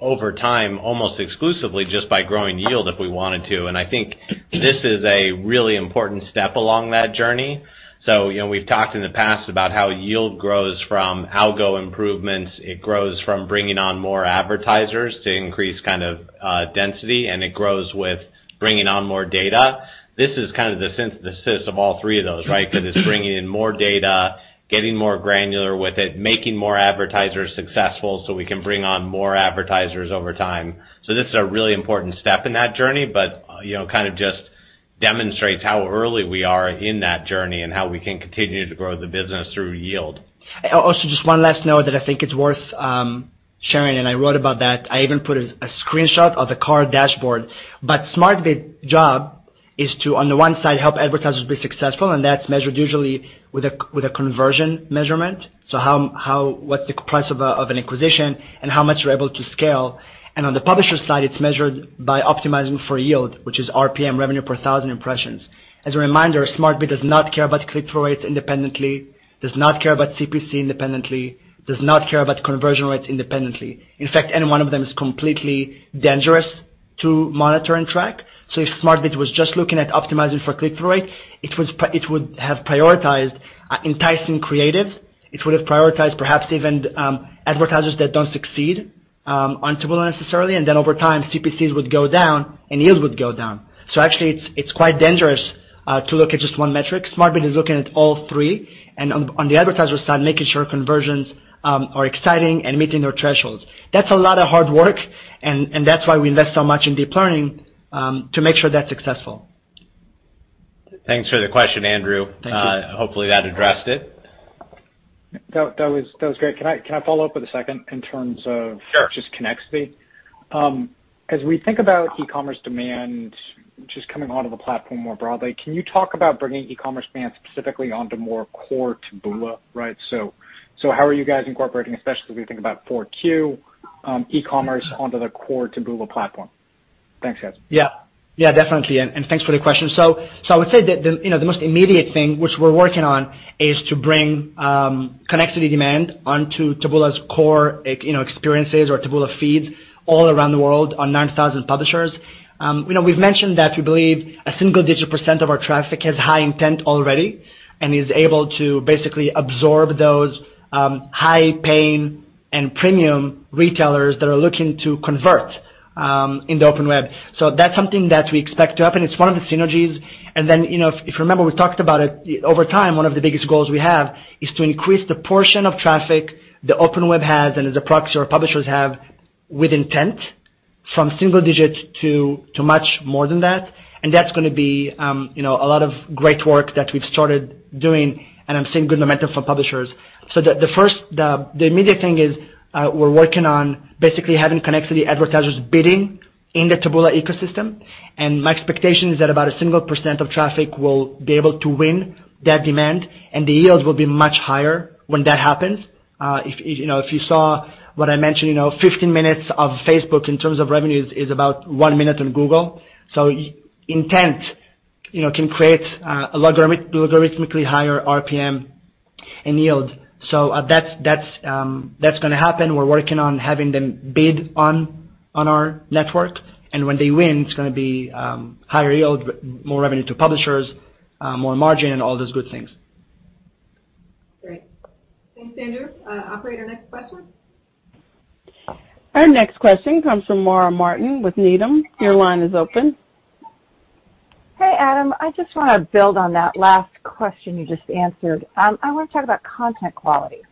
over time, almost exclusively just by growing yield if we wanted to. I think this is a really important step along that journey. We've talked in the past about how yield grows from algo improvements. It grows from bringing on more advertisers to increase density, and it grows with bringing on more data. This is the synthesis of all three of those. Because it's bringing in more data, getting more granular with it, making more advertisers successful, so we can bring on more advertisers over time. This is a really important step in that journey, but, just demonstrates how early we are in that journey and how we can continue to grow the business through yield. Just one last note that I think it's worth sharing, and I wrote about that. I even put a screenshot of the car dashboard. SmartBid job is to, on the one side, help advertisers be successful, and that's measured usually with a conversion measurement, how what's the price of an acquisition and how much you're able to scale. On the publisher side, it's measured by optimizing for yield, which is RPM, revenue per thousand impressions. As a reminder, SmartBid does not care about click-through rates independently, does not care about CPC independently, does not care about conversion rates independently. In fact, any one of them is completely dangerous to monitor and track. If SmartBid was just looking at optimizing for click-through rate, it would have prioritized enticing creative. It would have prioritized perhaps even advertisers that don't succeed on Taboola necessarily. Then over time, CPCs would go down and yields would go down. Actually, it's quite dangerous to look at just one metric. SmartBid is looking at all three, and on the advertiser side, making sure conversions are exciting and meeting their thresholds. That's a lot of hard work, and that's why we invest so much in deep learning to make sure that's successful. Thanks for the question, Andrew. Thank you. Hopefully that addressed it. That was great. Can I follow up with a second in terms of just Connexity? Sure. As we think about e-commerce demand just coming onto the platform more broadly, can you talk about bringing e-commerce demand specifically onto more core Taboola. How are you guys incorporating, especially as we think about Q4, e-commerce onto the core Taboola platform? Thanks, guys. Yes, definitely. Thanks for the question. I would say that the, the most immediate thing which we're working on is to bring Connexity demand onto Taboola's core experiences or Taboola feeds all around the world on 9,000 publishers. We've mentioned that we believe a single-digit percent of our traffic has high intent already and is able to basically absorb those high paying and premium retailers that are looking to convert in the Open Web. That's something that we expect to happen. It's one of the synergies. if you remember, we talked about it. Over time, one of the biggest goals we have is to increase the portion of traffic the Open Web has and as a proxy our publishers have with intent from single digits to much more than that. That's going to be a lot of great work that we've started doing, and I'm seeing good momentum from publishers. The immediate thing is we're working on basically having Connexity advertisers bidding in the Taboola ecosystem. My expectation is that about 1% of traffic will be able to win that demand, and the yields will be much higher when that happens. If you saw what I mentioned, 15 minutes of Facebook in terms of revenues is about 1 minute on Google. Intent can create a logarithmically higher RPM and yield. That's going to happen. We're working on having them bid on our network. When they win, it's going to be higher yield, but more revenue to publishers, more margin and all those good things. Great. Thanks, Andrew. Operator, next question. Our next question comes from Laura Martin with Needham. Your line is open. Hey, Adam. I just want to build on that last question you just answered. I want to talk about content quality.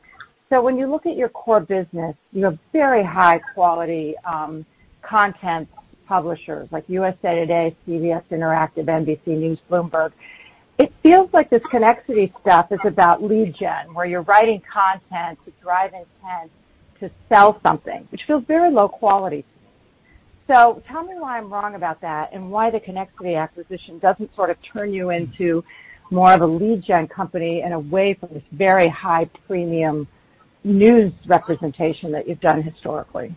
When you look at your core business, you have very high quality content publishers like USA Today, CBS Interactive, NBC News, Bloomberg. It feels like this Connexity stuff is about lead gen, where you're writing content to drive intent to sell something, which feels very low quality. Tell me why I'm wrong about that and why the Connexity acquisition doesn't turn you into more of a lead gen company and away from this very high premium news representation that you've done historically.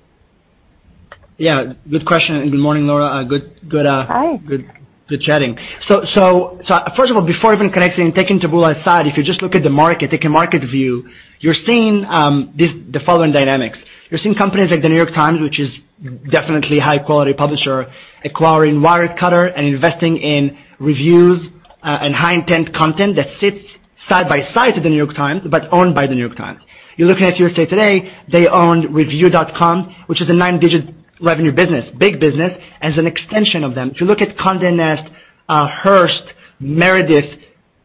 Yes, good question. Good morning, Laura. Hi. Good chatting. First of all, before even Connexity and taking Taboola aside, if you just look at the market, take a market view. You're seeing the following dynamics. You're seeing companies like The New York Times, which is definitely high quality publisher, acquiring Wirecutter and investing in reviews and high intent content that sits side by side to The New York Times, but owned by The New York Times. You're looking at USA Today, they own reviewed.com, which is a nine-digit revenue business, big business, as an extension of them. If you look at Condé Nast, Hearst, Meredith.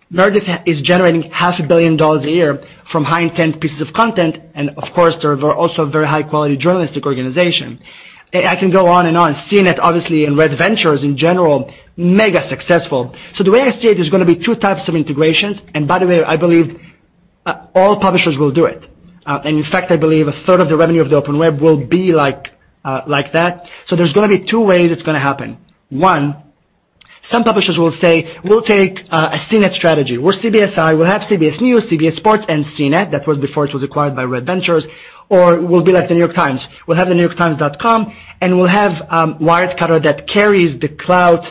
Meredith is generating half a billion dollars a year from high intent pieces of content, and of course, they're also very high quality journalistic organization. I can go on and on. CNET, obviously, and Red Ventures in general, mega successful. The way I see it, there's going to be two types of integrations. By the way, I believe all publishers will do it. In fact, I believe a third of the revenue of the Open Web will be like that. There's going to be two ways it's going to happen. One, some publishers will say, "We'll take a CNET strategy. We're CBSI. We'll have CBS News, CBS Sports and CNET." That was before it was acquired by Red Ventures. We'll be like The New York Times. We'll have thenewyorktimes.com, and we'll have Wirecutter that carries the clout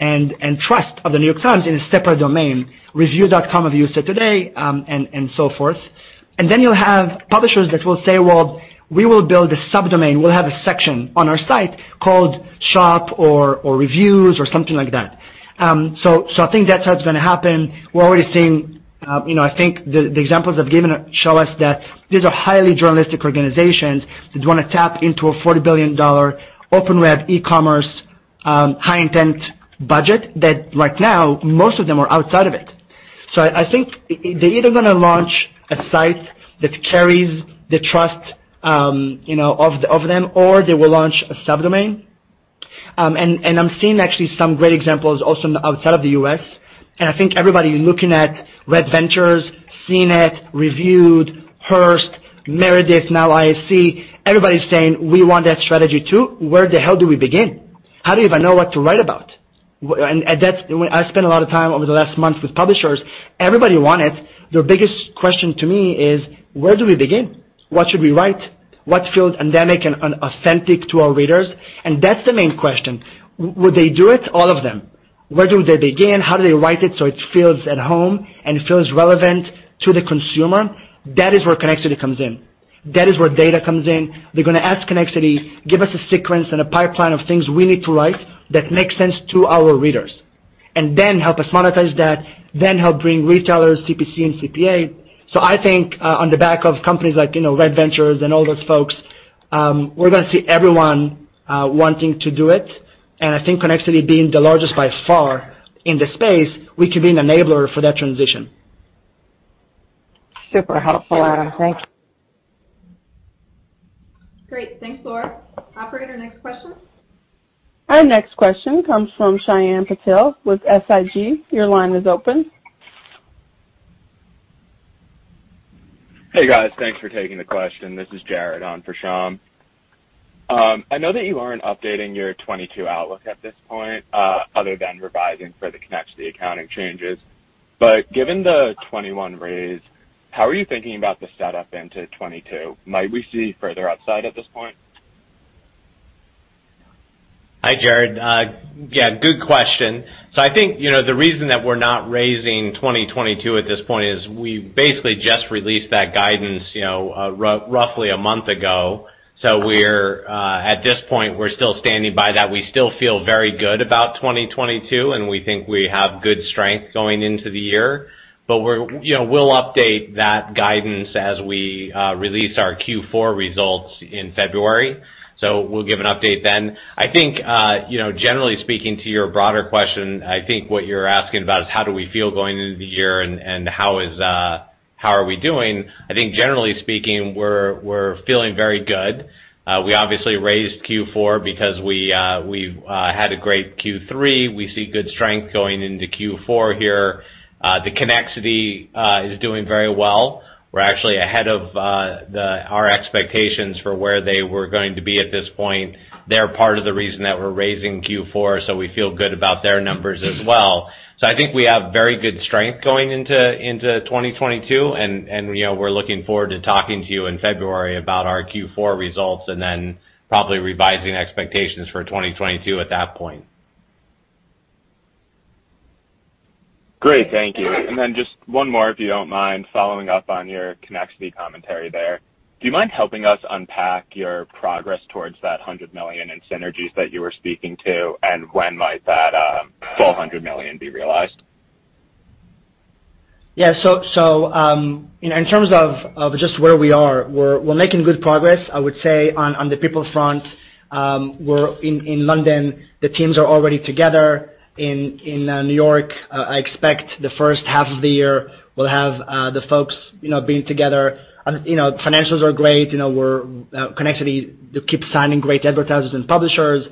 and trust of The New York Times in a separate domain. Reviewed.com of USA Today, and so forth. Then you'll have publishers that will say, "Well, we will build a subdomain. We'll have a section on our site called Shop or Reviews or something like that." I think that's how it's going to happen. We're already seeing, I think the examples I've given show us that these are highly journalistic organizations that want to tap into a $40 billion Open Web e-commerce high-intent budget that right now most of them are outside of it. I think they're either going to launch a site that carries the trust of them, or they will launch a subdomain. And I'm seeing actually some great examples also outside of the US. I think everybody looking at Red Ventures, CNET, Reviewed, Hearst, Meredith, now IAC, everybody's saying, "We want that strategy too. Where the hell do we begin? How do you even know what to write about?" I spent a lot of time over the last month with publishers. Everybody want it. Their biggest question to me is. Where do we begin? What should we write? What feels endemic and authentic to our readers? That's the main question. Will they do it? All of them. Where do they begin? How do they write it, so it feels at home and feels relevant to the consumer? That is where Connexity comes in. That is where data comes in. They're going to ask Connexity, "Give us a sequence and a pipeline of things we need to write that makes sense to our readers, and then help us monetize that, then help bring retailers, CPC, and CPA." I think, on the back of companies like, Red Ventures and all those folks, we're going to see everyone, wanting to do it. I think Connexity being the largest by far in this space, we could be an enabler for that transition. Super helpful, Adam. Thank you. Great. Thanks, Laura. Operator, next question. Our next question comes from Shyam Patil with SIG. Your line is open. Hey, guys. Thanks for taking the question. This is Jared on for Shyam. I know that you aren't updating your 2022 outlook at this point, other than revising for the Connexity accounting changes. Given the 2021 raise, how are you thinking about the setup into 2022? Might we see further upside at this point? Hi, Jared. Yes, good question. I think, the reason that we're not raising 2022 at this point is we basically just released that guidance, roughly a month ago. We're at this point still standing by that. We still feel very good about 2022, and we think we have good strength going into the year. We'll update that guidance as we release our Q4 results in February. We'll give an update then. I think, generally speaking to your broader question, I think what you're asking about is how do we feel going into the year and how are we doing? I think generally speaking, we're feeling very good. We obviously raised Q4 because we've had a great Q3. We see good strength going into Q4 here. The Connexity is doing very well. We're actually ahead of our expectations for where they were going to be at this point. They're part of the reason that we're raising Q4, so we feel good about their numbers as well. I think we have very good strength going into 2022, we're looking forward to talking to you in February about our Q4 results and then probably revising expectations for 2022 at that point. Great. Thank you. Just one more, if you don't mind following up on your Connexity commentary there. Do you mind helping us unpack your progress towards that $100 million in synergies that you were speaking to, and when might that full $100 million be realized? Yes. In terms of just where we are, we're making good progress, I would say on the people front. In London, the teams are already together. In New York, I expect the first half of the year we'll have the folks, being together. financials are great. Connexity, they keep signing great advertisers and publishers.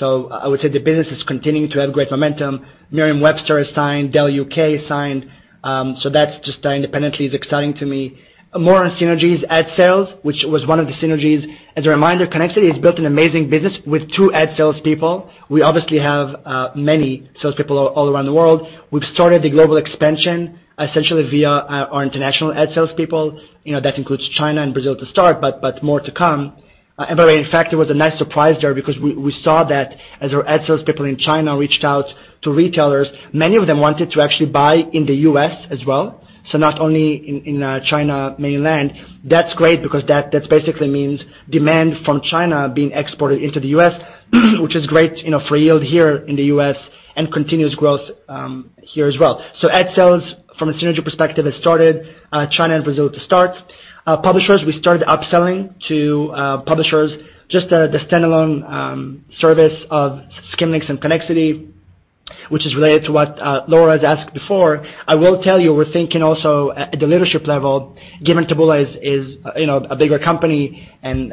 I would say the business is continuing to have great momentum. Merriam-Webster has signed. Dell UK signed. That's just independently exciting to me. More on synergies, ad sales, which was one of the synergies. As a reminder, Connexity has built an amazing business with two ad sales people. We obviously have many salespeople all around the world. We've started the global expansion essentially via our international ad sales people. That includes China and Brazil to start, but more to come. In fact, there was a nice surprise there because we saw that as our ad sales people in China reached out to retailers, many of them wanted to actually buy in the U.S. as well. Not only in China mainland. That's great because that basically means demand from China being exported into the U.S., which is great for yield here in the U.S. and continuous growth here as well. Ad sales from a synergy perspective has started, China and Brazil to start. Publishers, we started upselling to publishers just the standalone service of Skimlinks and Connexity, which is related to what Laura has asked before. I will tell you, we're thinking also at the leadership level, given Taboola is a bigger company and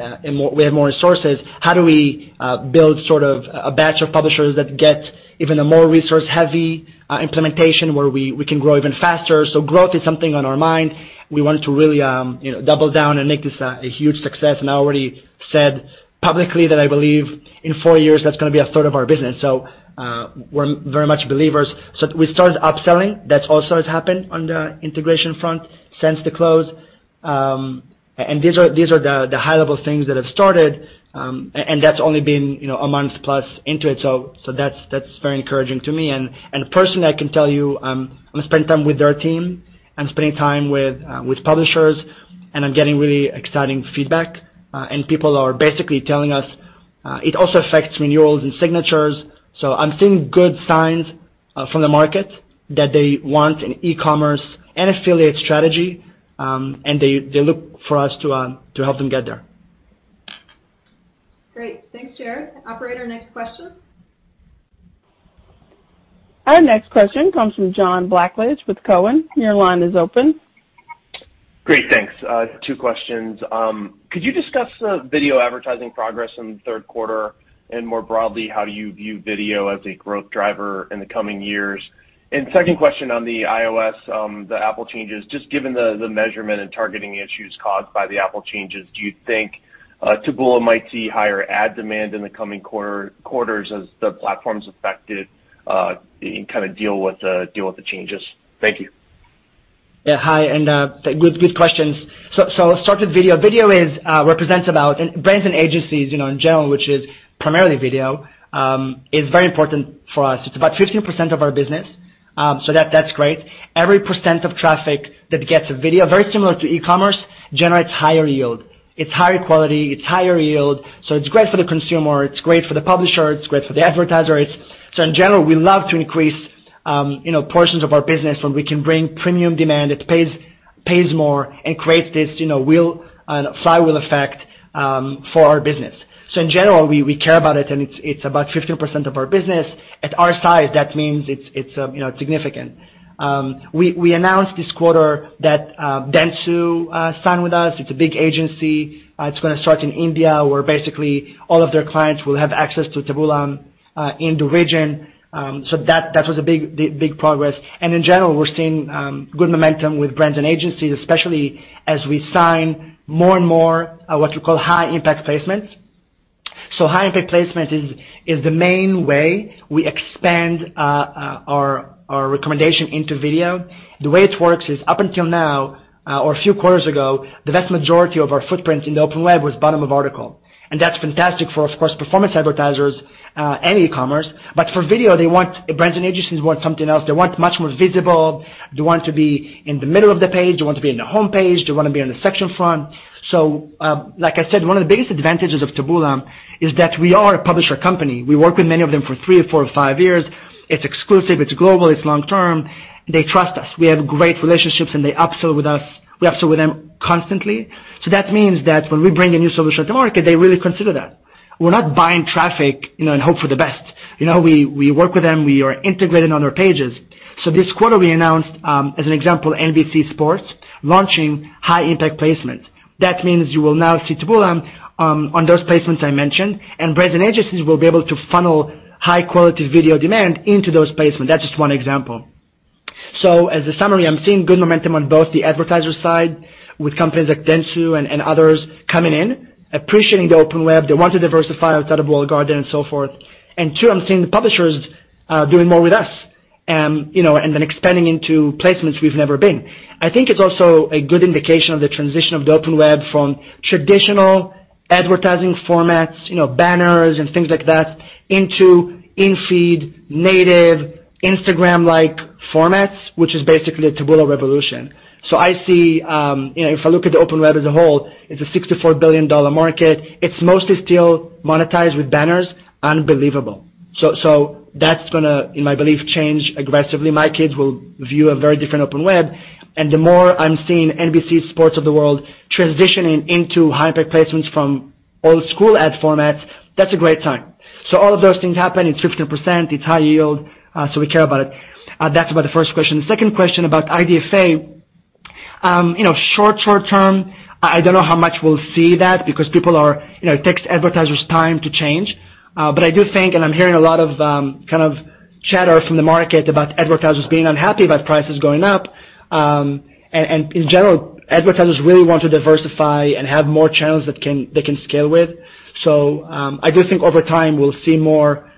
we have more resources, how do we build a batch of publishers that get even a more resource-heavy implementation where we can grow even faster. Growth is something on our mind. We wanted to really, double down and make this a huge success. I already said publicly that I believe in four years, that's going to be a third of our business. We're very much believers. We started upselling. That also has happened on the integration front since the close. These are the high-level things that have started. That's only been a month plus into it. That's very encouraging to me. Personally, I can tell you, I'm spending time with their team. I'm spending time with publishers, and I'm getting really exciting feedback. People are basically telling us it also affects renewals and signatures. I'm seeing good signs from the market that they want an e-commerce and affiliate strategy, and they look for us to help them get there. Great. Thanks, Jared. Operator, next question. Our next question comes from John Blackledge with Cowen. Your line is open. Great. Thanks. Two questions. Could you discuss the video advertising progress in Q3? More broadly, how do you view video as a growth driver in the coming years? Second question on the iOS, the Apple changes. Just given the measurement and targeting issues caused by the Apple changes, do you think Taboola might see higher ad demand in the coming quarters as the platform's affected and deal with the changes? Thank you. Hi, good questions. I'll start with video. Video represents about brands and agencies, in general, which is primarily video, is very important for us. It's about 15% of our business. That's great. Every percent of traffic that gets video, very similar to e-commerce, generates higher yield. It's higher quality, it's higher yield, so it's great for the consumer, it's great for the publisher, it's great for the advertiser. In general, we love to increase, portions of our business when we can bring premium demand that pays more and creates this, flywheel effect, for our business. In general, we care about it, and it's about 15% of our business. At our size, that means it's significant. We announced this quarter that Dentsu signed with us. It's a big agency. It's going to start in India, where basically all of their clients will have access to Taboola in the region. That was a big progress. In general, we're seeing good momentum with brands and agencies, especially as we sign more and more what we call High Impact Placement. High Impact Placement is the main way we expand our recommendation into video. The way it works is, up until now, or a few quarters ago, the vast majority of our footprint in the Open Web was bottom of article. That's fantastic for, of course, performance advertisers and e-commerce. For video, brands and agencies want something else. They want much more visible. They want to be in the middle of the page. They want to be in the homepage. They want to be on the section front. Like I said, one of the biggest advantages of Taboola is that we are a publisher company. We work with many of them for three or four or five years. It's exclusive, it's global, and it's long-term. They trust us. We have great relationships, and they upsell with us. We upsell with them constantly. That means that when we bring a new solution to market, they really consider that. We're not buying traffic, and hope for the best. We work with them. We are integrated on their pages. This quarter, we announced, as an example, NBC Sports launching High Impact Placement. That means you will now see Taboola on those placements I mentioned, and brands and agencies will be able to funnel high-quality video demand into those placements. That's just one example. As a summary, I'm seeing good momentum on both the advertiser side with companies like Dentsu and others coming in, appreciating the Open Web. They want to diversify outside of walled garden and so forth. Two, I'm seeing the publishers doing more with us, and then expanding into placements we've never been. I think it's also a good indication of the transition of the Open Web from traditional advertising formats, banners and things like that into in-feed native Instagram-like formats, which is basically a Taboola revolution. I see, if I look at the Open Web as a whole, it's a $64 billion market. It's mostly still monetized with banners. Unbelievable. That's going to, in my belief, change aggressively. My kids will view a very different Open Web. The more I'm seeing NBC Sports of the world transitioning into High Impact Placements from old school ad formats, that's a great sign. All of those things happen. It's 15%, it's high yield, so we care about it. That's about the first question. The second question about IDFA. Short-term, I don't know how much we'll see that because people are... It takes advertisers time to change. But I do think, and I'm hearing a lot of chatter from the market about advertisers being unhappy about prices going up. In general, advertisers really want to diversify and have more channels that they can scale with. I do think over time, we'll see more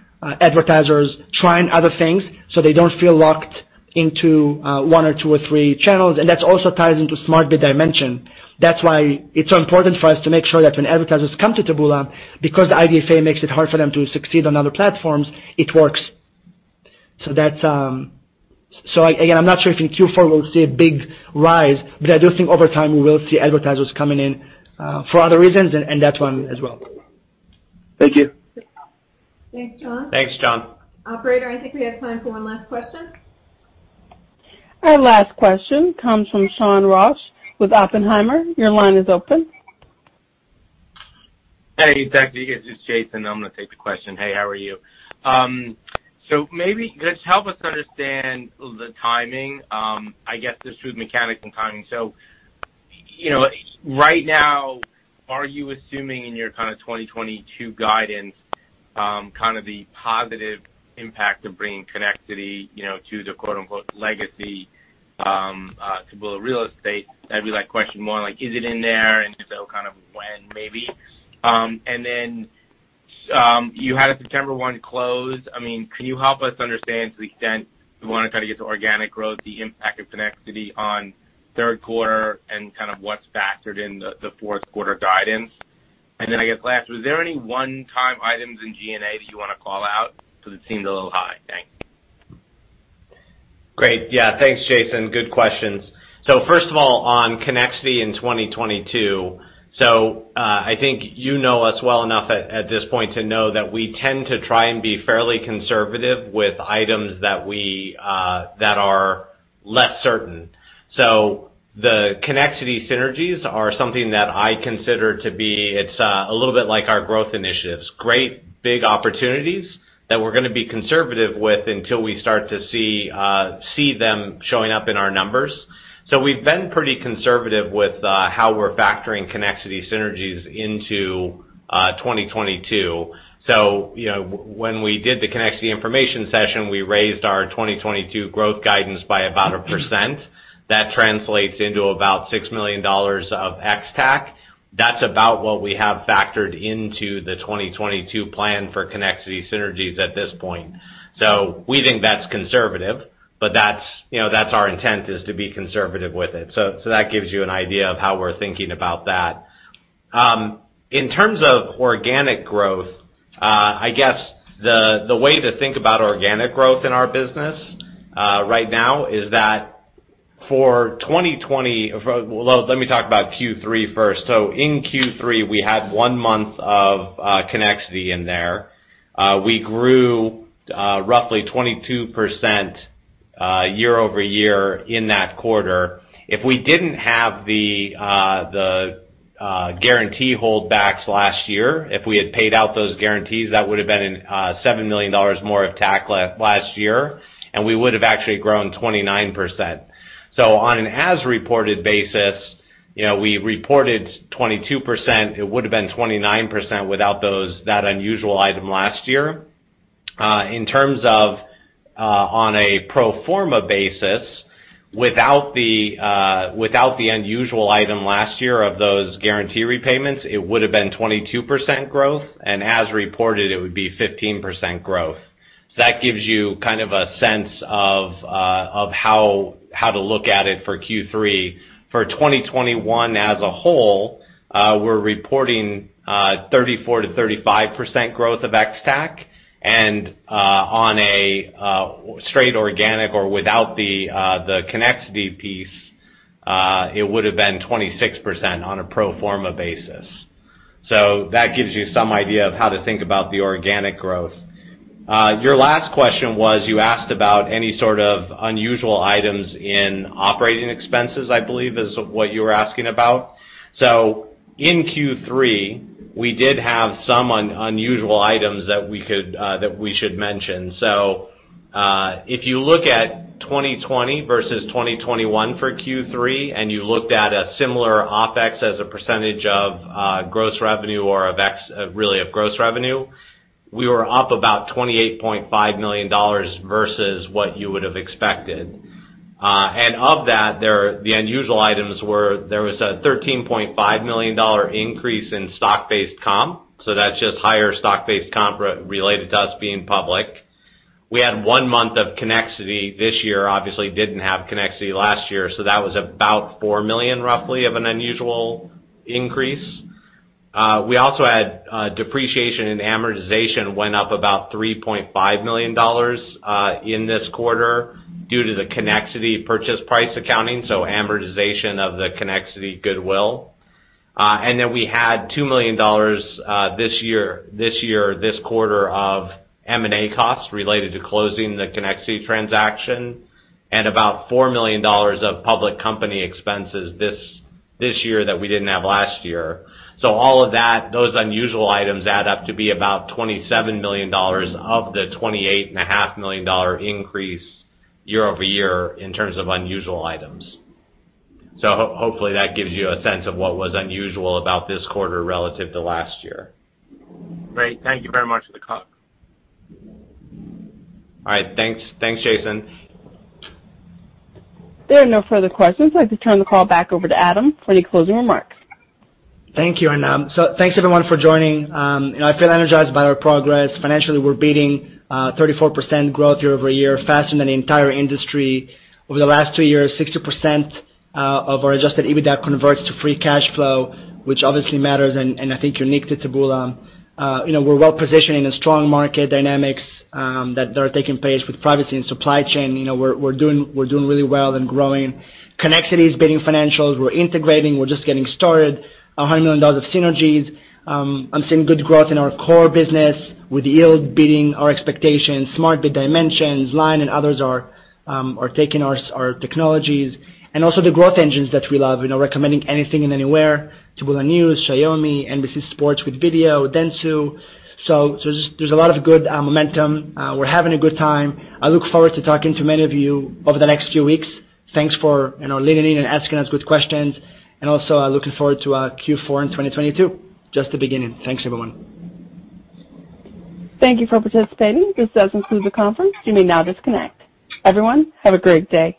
advertisers trying other reasons so they don't feel locked into one or two or three channels. That also ties into SmartBid Dimensions. That's why it's so important for us to make sure that when advertisers come to Taboola because the IDFA makes it hard for them to succeed on other platforms, it works. That again, I'm not sure if in Q4 we'll see a big rise, but I do think over time we will see advertisers coming in for other reasons and that one as well. Thank you. Thanks, John. Thanks, John. Operator, I think we have time for one last question. Our last question comes from Shawn Ross with Oppenheimer. Your line is open. Hey, guys. This is Jason. I'm going to take the question. Hey, how are you? Maybe just help us understand the timing. I guess just through the mechanics and timing. Right now, are you assuming in your 2022 guidance, the positive impact of bringing Connexity, to the "legacy Taboola real estate?" Maybe question more like is it in there and if so, when maybe. You had a September 1st close. Can you help us understand to the extent we want to try to get to organic growth, the impact of Connexity on Q3 and what's factored in Q4 guidance? I guess last, was there any one-time items in G&A that you want to call out because it seemed a little high? Thanks. Great. Yes. Thanks, Jason. Good questions. First of all, on Connexity in 2022. I think you know us well enough at this point to know that we tend to try and be fairly conservative with items that we that are less certain. The Connexity synergies are something that I consider to be, it's a little bit like our growth initiatives. Great big opportunities that we're going to be conservative with until we start to see them showing up in our numbers. We've been pretty conservative with how we're factoring Connexity synergies into 2022. When we did the Connexity information session, we raised our 2022 growth guidance by about 1%. That translates into about $6 million of ex-TAC. That's about what we have factored into the 2022 plan for Connexity synergies at this point. We think that's conservative, but that's our intent, is to be conservative with it. That gives you an idea of how we're thinking about that. In terms of organic growth, I guess the way to think about organic growth in our business right now is that. Well, let me talk about Q3 first. In Q3, we had one month of Connexity in there. We grew roughly 22% year-over-year in that quarter. If we didn't have the guarantee holdbacks last year, if we had paid out those guarantees, that would've been $7 million more of TAC last year, and we would've actually grown 29%. On an as reported basis, we reported 22%. It would've been 29% without that unusual item last year. In terms of on a pro forma basis, without the unusual item last year of those guarantee repayments, it would've been 22% growth, and as reported, it would be 15% growth. That gives you a sense of how to look at it for Q3. For 2021 as a whole, we're reporting 34%-35% growth of ex-TAC and on a straight organic or without the Connexity piece, it would've been 26% on a pro forma basis. That gives you some idea of how to think about the organic growth. Your last question was you asked about any unusual items in operating expenses, I believe, is what you were asking about. In Q3, we did have some unusual items that we could, that we should mention. If you look at 2020 versus 2021 for Q3, and you looked at a similar OpEx as a percentage of, gross revenue or really of gross revenue, we were up about $28.5 million versus what you would have expected. Of that, the unusual items were there was a $13.5 million increase in stock-based comp. That's just higher stock-based comp related to us being public. We had one month of Connexity this year, obviously didn't have Connexity last year, so that was about $4 million roughly of an unusual increase. We also had depreciation and amortization went up about $3.5 million in this quarter due to the Connexity purchase price accounting, so amortization of the Connexity goodwill. Then we had $2 million this quarter of M&A costs related to closing the Connexity transaction and about $4 million of public company expenses this year that we didn't have last year. All of that, those unusual items add up to be about $27 million of the $28.5 million increase year-over-year in terms of unusual items. Hopefully, that gives you a sense of what was unusual about this quarter relative to last year. Great. Thank you very much for the call. All right. Thanks. Thanks, Jason. There are no further questions. I'd like to turn the call back over to Adam for any closing remarks. Thank you. Thanks, everyone, for joining. I feel energized by our progress. Financially, we're beating 34% growth year-over-year, faster than the entire industry. Over the last two years, 60% of our adjusted EBITDA converts to free cash flow, which obviously matters and I think unique to Taboola. we're well-positioned in a strong market dynamics that they are taking pace with privacy and supply chain. we're doing really well and growing. Connexity is beating financials. We're integrating. We're just getting started. $100 million of synergies. I'm seeing good growth in our core business with yield beating our expectations. Smart Bid Dimensions, LINE, and others are taking our technologies and also the growth engines that we love, Recommend Anything and Anywhere, Taboola News, Xiaomi, NBC Sports with video, Dentsu. There's a lot of good momentum. We're having a good time. I look forward to talking to many of you over the next few weeks. Thanks for leaning in and asking us good questions. Looking forward to our Q4 in 2022. Just the beginning. Thanks, everyone. Thank you for participating. This does conclude the conference. You may now disconnect. Everyone, have a great day.